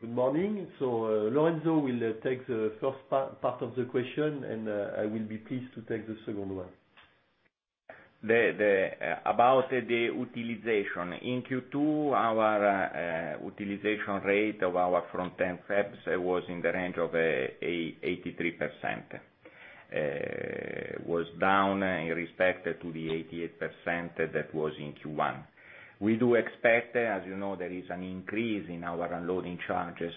good morning. Lorenzo will take the first part of the question, and I will be pleased to take the second one. About the utilization. In Q2, our utilization rate of our front-end fabs was in the range of 83%. Was down in respect to the 88% that was in Q1. We do expect, as you know, there is an increase in our unloading charges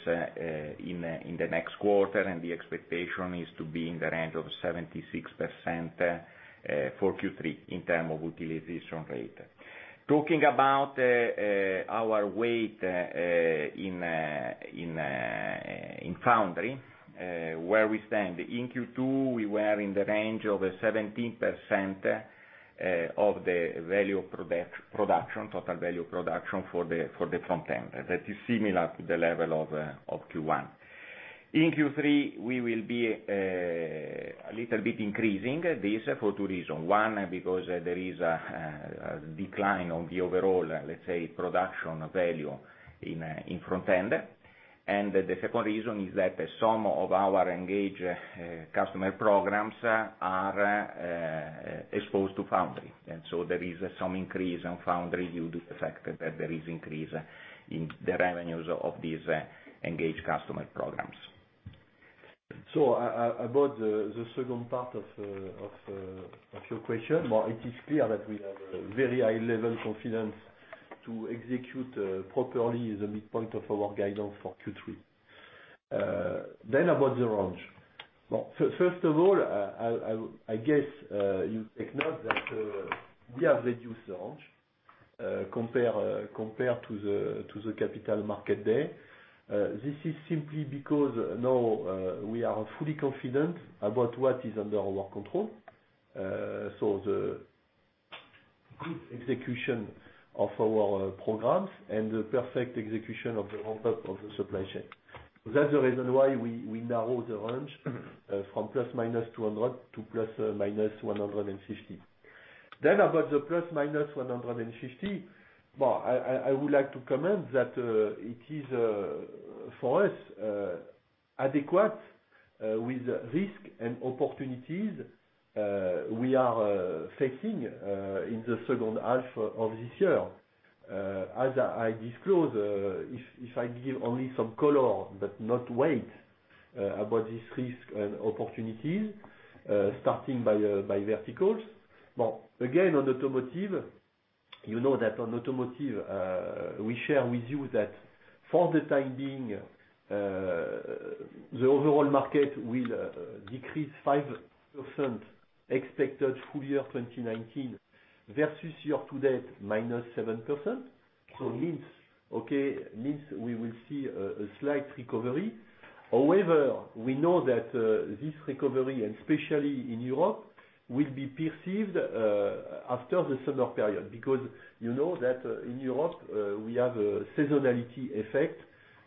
in the next quarter, and the expectation is to be in the range of 76% for Q3 in terms of utilization rate. Talking about our weight in foundry, where we stand. In Q2, we were in the range of 17% of the total value production for the front end. That is similar to the level of Q1. In Q3, we will be a little bit increasing this for two reasons. One, because there is a decline on the overall, let's say, production value in front end. The second reason is that some of our engaged customer programs are exposed to foundry. There is some increase in foundry due to the fact that there is increase in the revenues of these engaged customer programs. About the second part of your question, it is clear that we have a very high level of confidence to execute properly the midpoint of our guidance for Q3. About the range. First of all, I guess, you take note that we have reduced the range compared to the Capital Markets Day. This is simply because now we are fully confident about what is under our control. The good execution of our programs and the perfect execution of the ramp-up of the supply chain. That's the reason why we narrow the range from±200 to ±150. About the ±150, I would like to comment that it is, for us, adequate with risk and opportunities we are facing in the second half of this year. As I disclose, if I give only some color, but not weight, about this risk and opportunities, starting by verticals. Again, on automotive, you know that on automotive, we share with you that for the time being, the overall market will decrease 5% expected full year 2019 versus year-to-date -7%. Means, okay, means we will see a slight recovery. However, we know that this recovery, and especially in Europe, will be perceived after the summer period, because you know that in Europe, we have a seasonality effect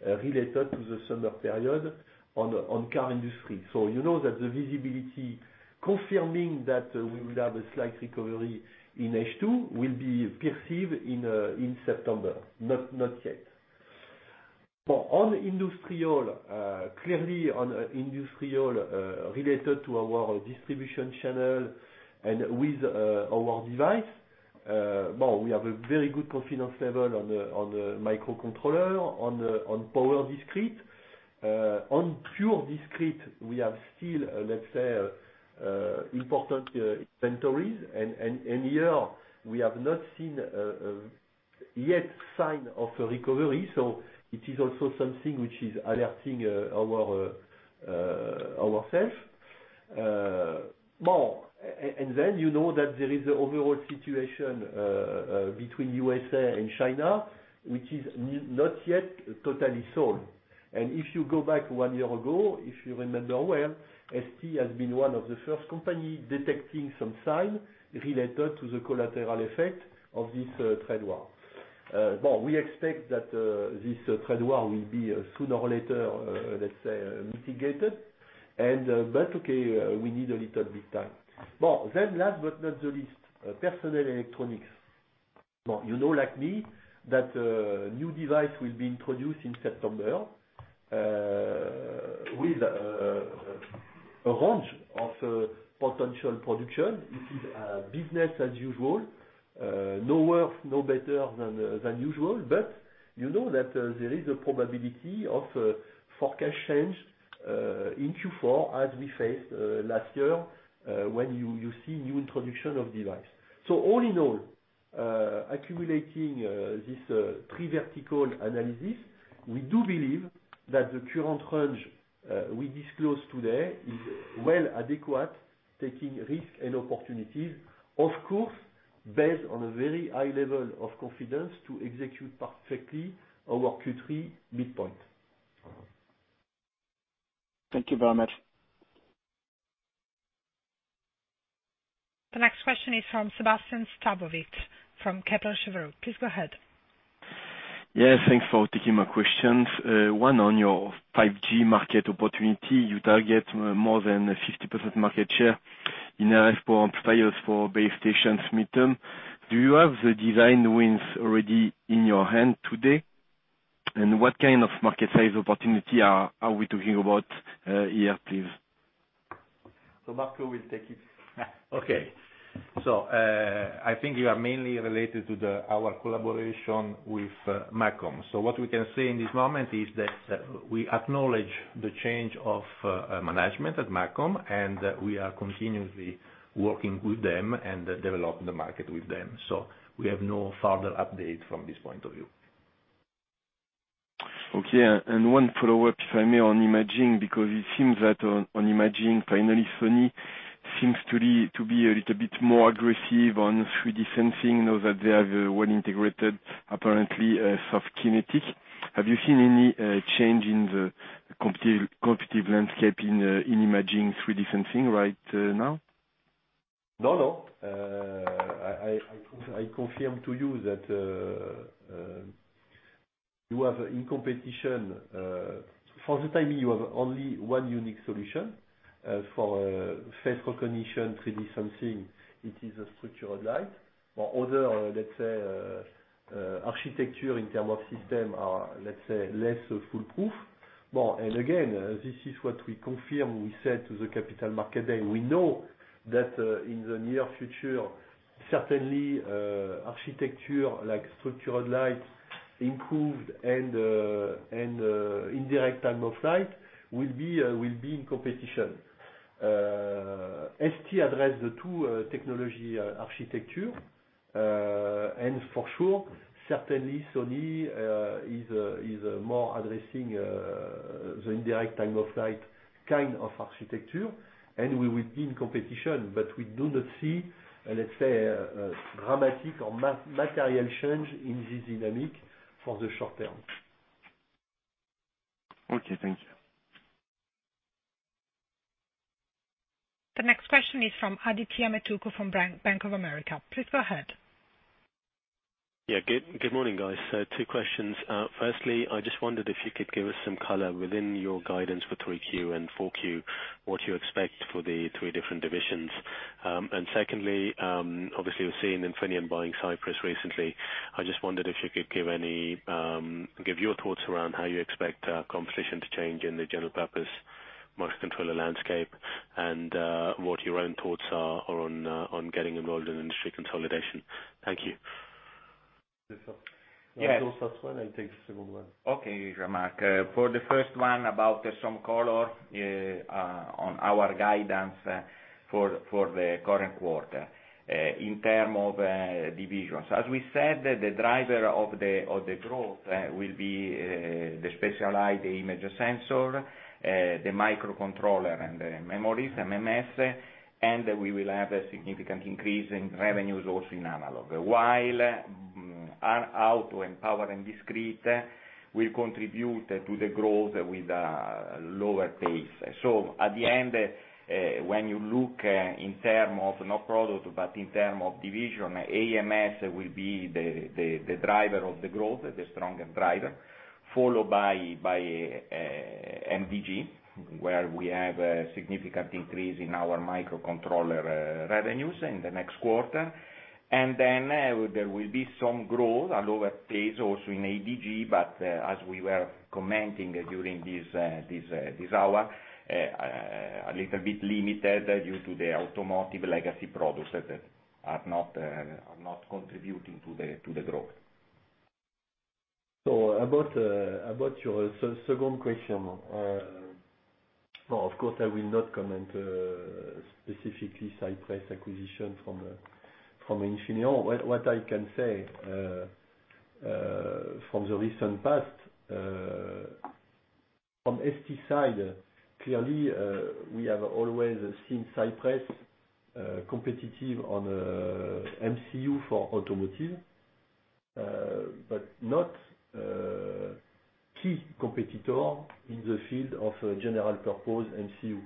related to the summer period on car industry. You know that the visibility confirming that we will have a slight recovery in H2 will be perceived in September, not yet. For on industrial, clearly on industrial, related to our distribution channel and with our device. We have a very good confidence level on the microcontroller, on power discrete. On pure discrete, we have still, let's say, important inventories, and here, we have not seen yet sign of a recovery, so it is also something which is alerting ourself. You know that there is the overall situation between U.S.A. and China, which is not yet totally solved. If you go back one year ago, if you remember well, ST has been one of the first company detecting some sign related to the collateral effect of this trade war. We expect that this trade war will be sooner or later, let's say, mitigated. Okay, we need a little bit time. Last but not the least, personal electronics. You know like me, that new device will be introduced in September, with a range of potential production. This is business as usual, no worse, no better than usual. You know that there is a probability of forecast change in Q4 as we faced last year, when you see new introduction of device. All in all, accumulating this pre-vertical analysis, we do believe that the current range we disclose today is well adequate, taking risk and opportunities, of course, based on a very high level of confidence to execute perfectly our Q3 midpoint. Thank you very much. The next question is from Sebastien Sztabowicz from Kepler Cheuvreux. Please go ahead. Yeah, thanks for taking my questions. One on your 5G market opportunity. You target more than a 50% market share in RF front players for base stations midterm. Do you have the design wins already in your hand today? What kind of market size opportunity are we talking about here, please? Marco will take it. Okay. I think you are mainly related to our collaboration with MACOM. What we can say in this moment is that we acknowledge the change of management at MACOM, and we are continuously working with them and developing the market with them. We have no further update from this point of view. Okay. One follow-up, if I may, on imaging, because it seems that on imaging, finally, Sony seems to be a little bit more aggressive on 3D sensing now that they have well integrated, apparently, SoftKinetic. Have you seen any change in the competitive landscape in imaging 3D sensing right now? No. I confirm to you that you have in competition for the time being, you have only one unique solution. For face recognition, 3D sensing, it is a structured light. Other architecture in terms of system are less foolproof. This is what we confirm, we said to the Capital Markets Day, we know that in the near future, certainly, architecture like structured light and indirect time-of-flight will be in competition. ST addressed the two technology architecture, and for sure, certainly Sony is more addressing the indirect time-of-flight kind of architecture, and we will be in competition. We do not see a dramatic or material change in this dynamic for the short term. Okay, thank you. The next question is from Adithya Metuku from Bank of America. Please go ahead. Yeah. Good morning, guys. Two questions. Firstly, I just wondered if you could give us some color within your guidance for 3Q and 4Q, what you expect for the three different divisions. Secondly, obviously, we've seen Infineon buying Cypress recently. I just wondered if you could give your thoughts around how you expect competition to change in the general purpose microcontroller landscape and what your own thoughts are on getting involved in industry consolidation. Thank you. Yes, sir. You go first one, I take the second one. Okay, Adithya. For the first one, about some color on our guidance for the current quarter in terms of divisions. As we said, the driver of the growth will be the specialized image sensor, the microcontroller, and the memories, MEMS, and we will have a significant increase in revenues also in analog. While auto and power and discrete will contribute to the growth with a lower pace. At the end, when you look in terms of not product, but in terms of division, AMS will be the driver of the growth, the strongest driver, followed by MDG, where we have a significant increase in our microcontroller revenues in the next quarter. Then there will be some growth, a lower pace also in ADG, but as we were commenting during this hour, a little bit limited due to the automotive legacy products that are not contributing to the growth. About your second question. Of course, I will not comment specifically Cypress acquisition from Infineon. What I can say, from the recent past, from ST side, clearly, we have always seen Cypress competitive on MCU for automotive, but not key competitor in the field of general purpose MCU.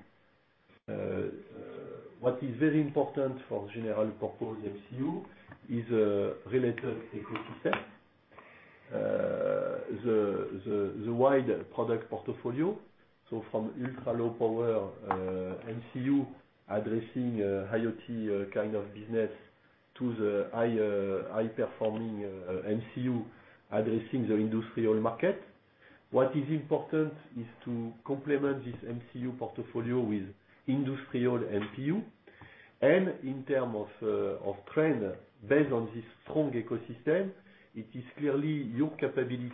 What is very important for general purpose MCU is a related ecosystem. The wide product portfolio. From ultra-low power MCU addressing IoT kind of business to the high-performing MCU addressing the industrial market. What is important is to complement this MCU portfolio with industrial MPU. In term of trend based on this strong ecosystem, it is clearly your capability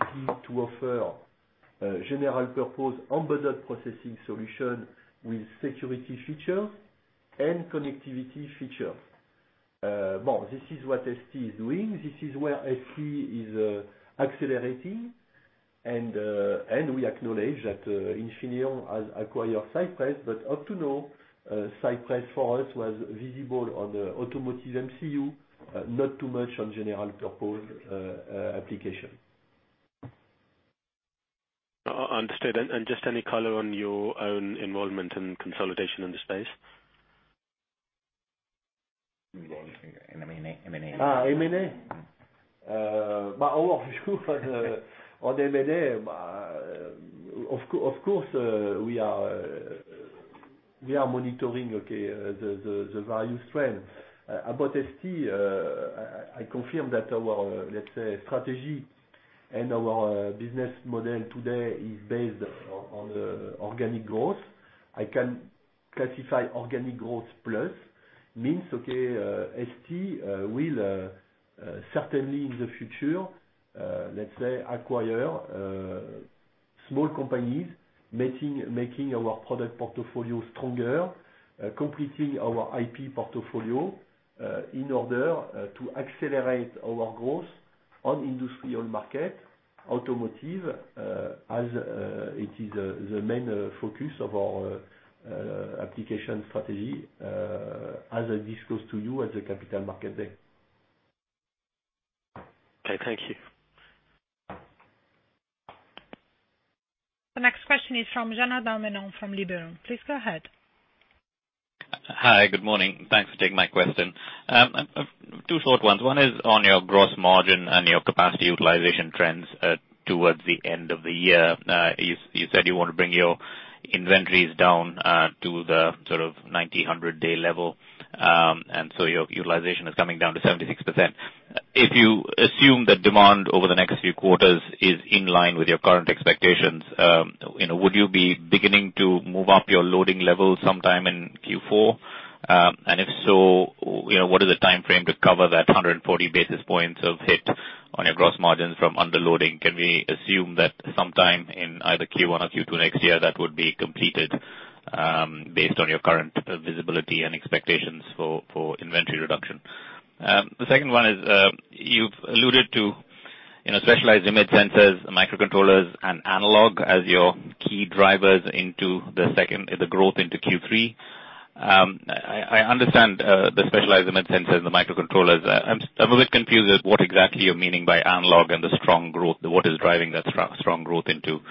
to offer general purpose embedded processing solution with security features and connectivity features. This is what ST is doing. This is where ST is accelerating. We acknowledge that Infineon has acquired Cypress, but up to now, Cypress for us was visible on the automotive MCU, not too much on general purpose application. Understood. Just any color on your own involvement and consolidation in the space? M&A. On M&A, of course, we are monitoring, okay, the various trend. About ST, I confirm that our, let's say, strategy and our business model today is based on organic growth. I can classify organic growth plus. Means, ST will certainly in the future, let's say, acquire small companies, making our product portfolio stronger, completing our IP portfolio, in order to accelerate our growth on industrial market, automotive, as it is the main focus of our application strategy, as I disclosed to you at the Capital Markets Day. Okay, thank you. The next question is from Janardan Menon from Liberum. Please go ahead. Hi, good morning. Thanks for taking my question. Two short ones. One is on your gross margin and your capacity utilization trends towards the end of the year. You said you want to bring your inventories down to the sort of 90 to 100-day level. Your utilization is coming down to 76%. If you assume that demand over the next few quarters is in line with your current expectations, would you be beginning to move up your loading levels sometime in Q4? If so, what is the timeframe to cover that 140 basis points of hit on your gross margins from underloading? Can we assume that sometime in either Q1 or Q2 next year, that would be completed based on your current visibility and expectations for inventory reduction? The second one is, you've alluded to specialized image sensors, microcontrollers, and analog as your key drivers into the growth into Q3. I understand the specialized image sensors and the microcontrollers. I'm a bit confused at what exactly you're meaning by analog and the strong growth. What is driving that strong growth into Q3?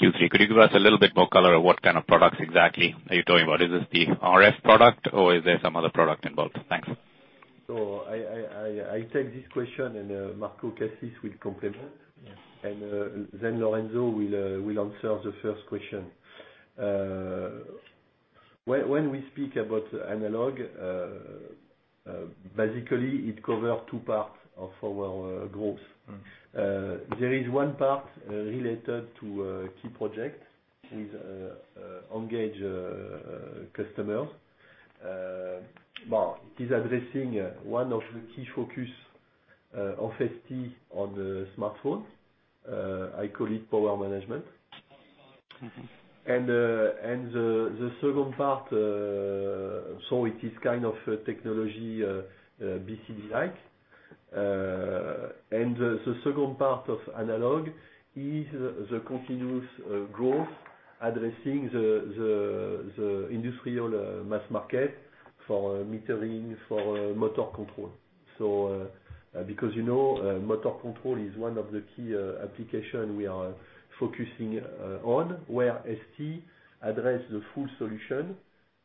Could you give us a little bit more color on what kind of products exactly are you talking about? Is this the RF product, or is there some other product involved? Thanks. I take this question and Marco Cassis will complement. Yes. Lorenzo will answer the first question. When we speak about analog, basically it covers two parts of our growth. There is one part related to a key project with engaged customers. Well, it is addressing one of the key focus of ST on the smartphone. I call it power management. The second part, so it is a technology BCD-like. The second part of analog is the continuous growth addressing the industrial mass market for metering, for motor control. Because you know, motor control is one of the key application we are focusing on, where ST address the full solution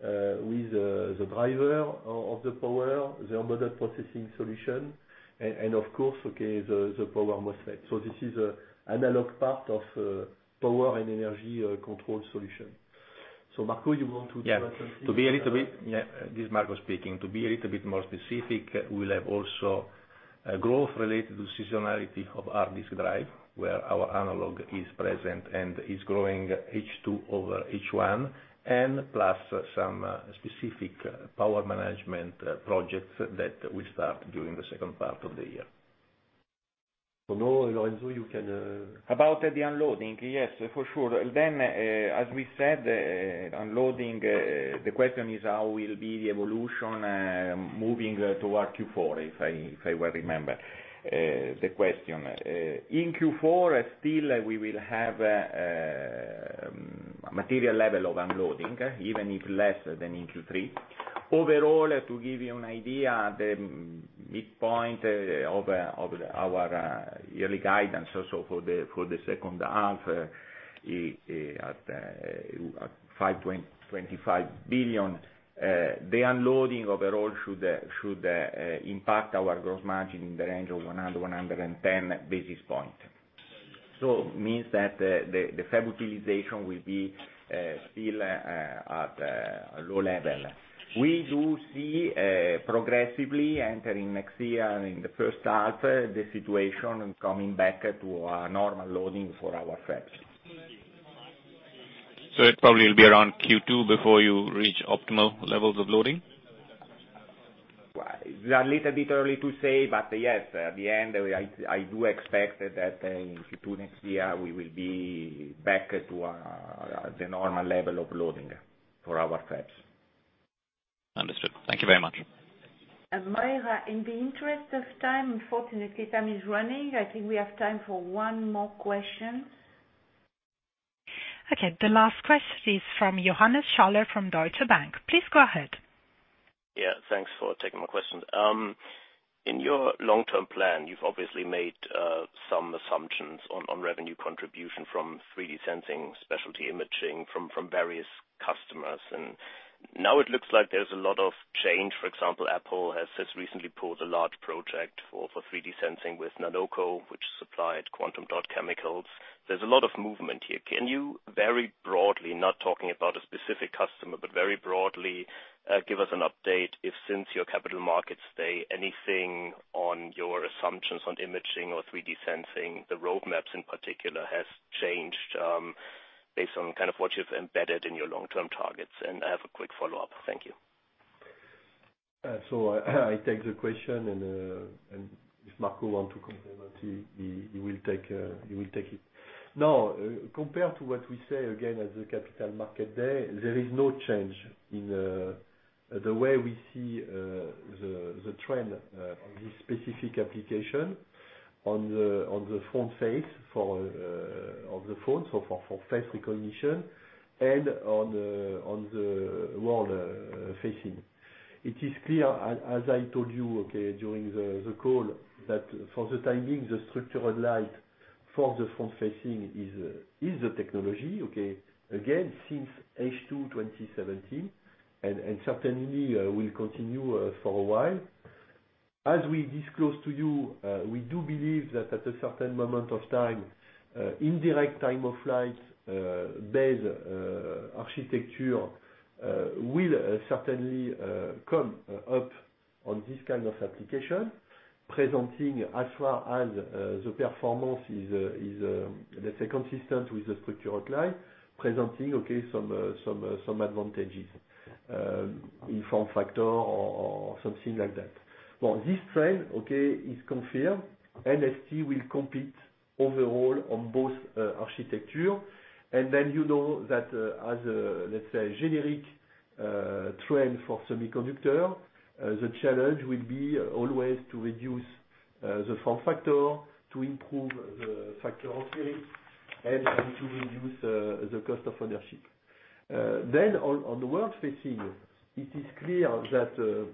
with the driver of the power, the embedded processing solution, and of course, okay, the power MOSFET. This is analog part of power and energy control solution. Marco, you want to address this? Yeah. This is Marco speaking. To be a little bit more specific, we'll have also a growth related to seasonality of hard disk drive, where our analog is present and is growing H2 over H1, and plus some specific power management projects that will start during the second part of the year. Now, Lorenzo. About the unloading. Yes, for sure. As we said, unloading, the question is how will be the evolution, moving toward Q4, if I well remember the question. In Q4, still, we will have material level of unloading, even if less than in Q3. Overall, to give you an idea, the midpoint of our yearly guidance also for the second half at $5.25 billion. The unloading overall should impact our gross margin in the range of 100, 110 basis points. Means that the fab utilization will be still at a low level. We do see progressively entering next year and in the first half, the situation coming back to a normal loading for our fabs. It probably will be around Q2 before you reach optimal levels of loading? A little bit early to say. Yes. At the end, I do expect that in Q2 next year, we will be back to the normal level of loading for our fabs. Understood. Thank you very much. Moira, in the interest of time, unfortunately time is running. I think we have time for one more question. Okay. The last question is from Johannes Schaller from Deutsche Bank. Please go ahead. Yeah, thanks for taking my question. In your long-term plan, you've obviously made some assumptions on revenue contribution from 3D sensing, specialty imaging, from various customers. Now it looks like there's a lot of change. For example, Apple has recently pulled a large project for 3D sensing with Nanoco, which supplied quantum dot chemicals. There's a lot of movement here. Can you very broadly, not talking about a specific customer, but very broadly, give us an update if since your Capital Markets Day, anything on your assumptions on imaging or 3D sensing, the roadmaps in particular, has changed, based on kind of what you've embedded in your long-term targets? I have a quick follow-up. Thank you. I take the question, and if Marco want to complement, he will take it. Compared to what we say, again, at the Capital Markets Day, there is no change in the way we see the trend on this specific application on the front face of the phone, so for face recognition and on the world-facing. It is clear, as I told you, during the call, that for the time being, the structured light for the front-facing is the technology. Again, since H2 2017, and certainly will continue for a while. As we disclose to you, we do believe that at a certain moment of time, indirect time of flight-based architecture will certainly come up on this kind of application, presenting as far as the performance is consistent with the structured light, presenting some advantages in form factor or something like that. This trend is confirmed. NFC will compete overall on both architecture. You know that as, let's say, generic trend for semiconductor, the challenge will be always to reduce the form factor, to improve the factor of three, and to reduce the cost of ownership. On the world-facing, it is clear that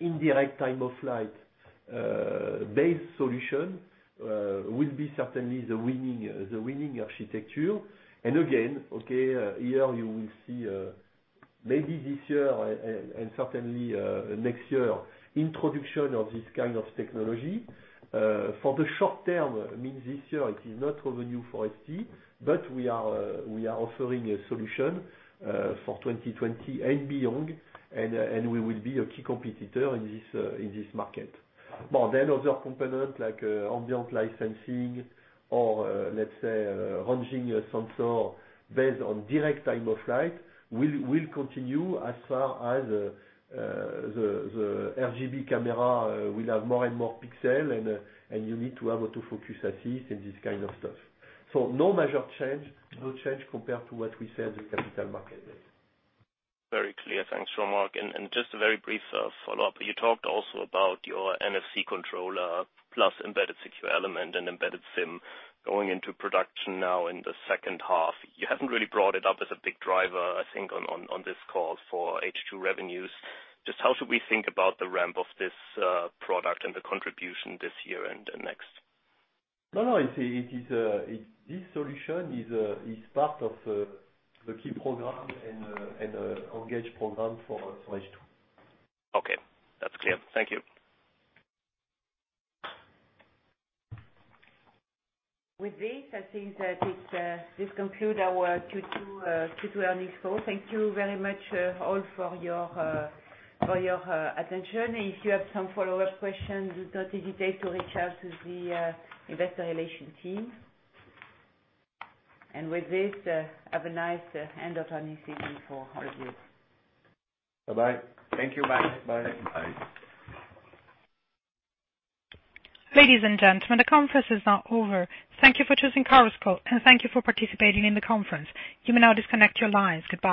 indirect time-of-flight-based solution will be certainly the winning architecture. Again, here you will see maybe this year and certainly next year, introduction of this kind of technology. For the short term, means this year, it is not revenue for ST, but we are offering a solution for 2020 and beyond, and we will be a key competitor in this market. Other component like ambient light sensing or let's say, ranging a sensor based on direct time of flight, will continue as far as the RGB camera will have more and more pixel, and you need to have autofocus assist and this kind of stuff. No major change. No change compared to what we said the Capital Markets Day is. Very clear. Thanks, Jean-Marc. Just a very brief follow-up. You talked also about your NFC controller plus embedded secure element and embedded SIM going into production now in the second half. You haven't really brought it up as a big driver, I think, on this call for H2 revenues. Just how should we think about the ramp of this product and the contribution this year and the next? No, this solution is part of the key program and engage program for H2. Okay. That's clear. Thank you. With this, I think that this concludes our Q2 Earnings Call. Thank you very much all for your attention. If you have some follow-up questions, do not hesitate to reach out to the investor relation team. With this, have a nice end of earnings season for all of you. Bye-bye. Thank you. Bye. Bye. Ladies and gentlemen, the conference is now over. Thank you for choosing Chorus Call, and thank you for participating in the conference. You may now disconnect your lines. Goodbye.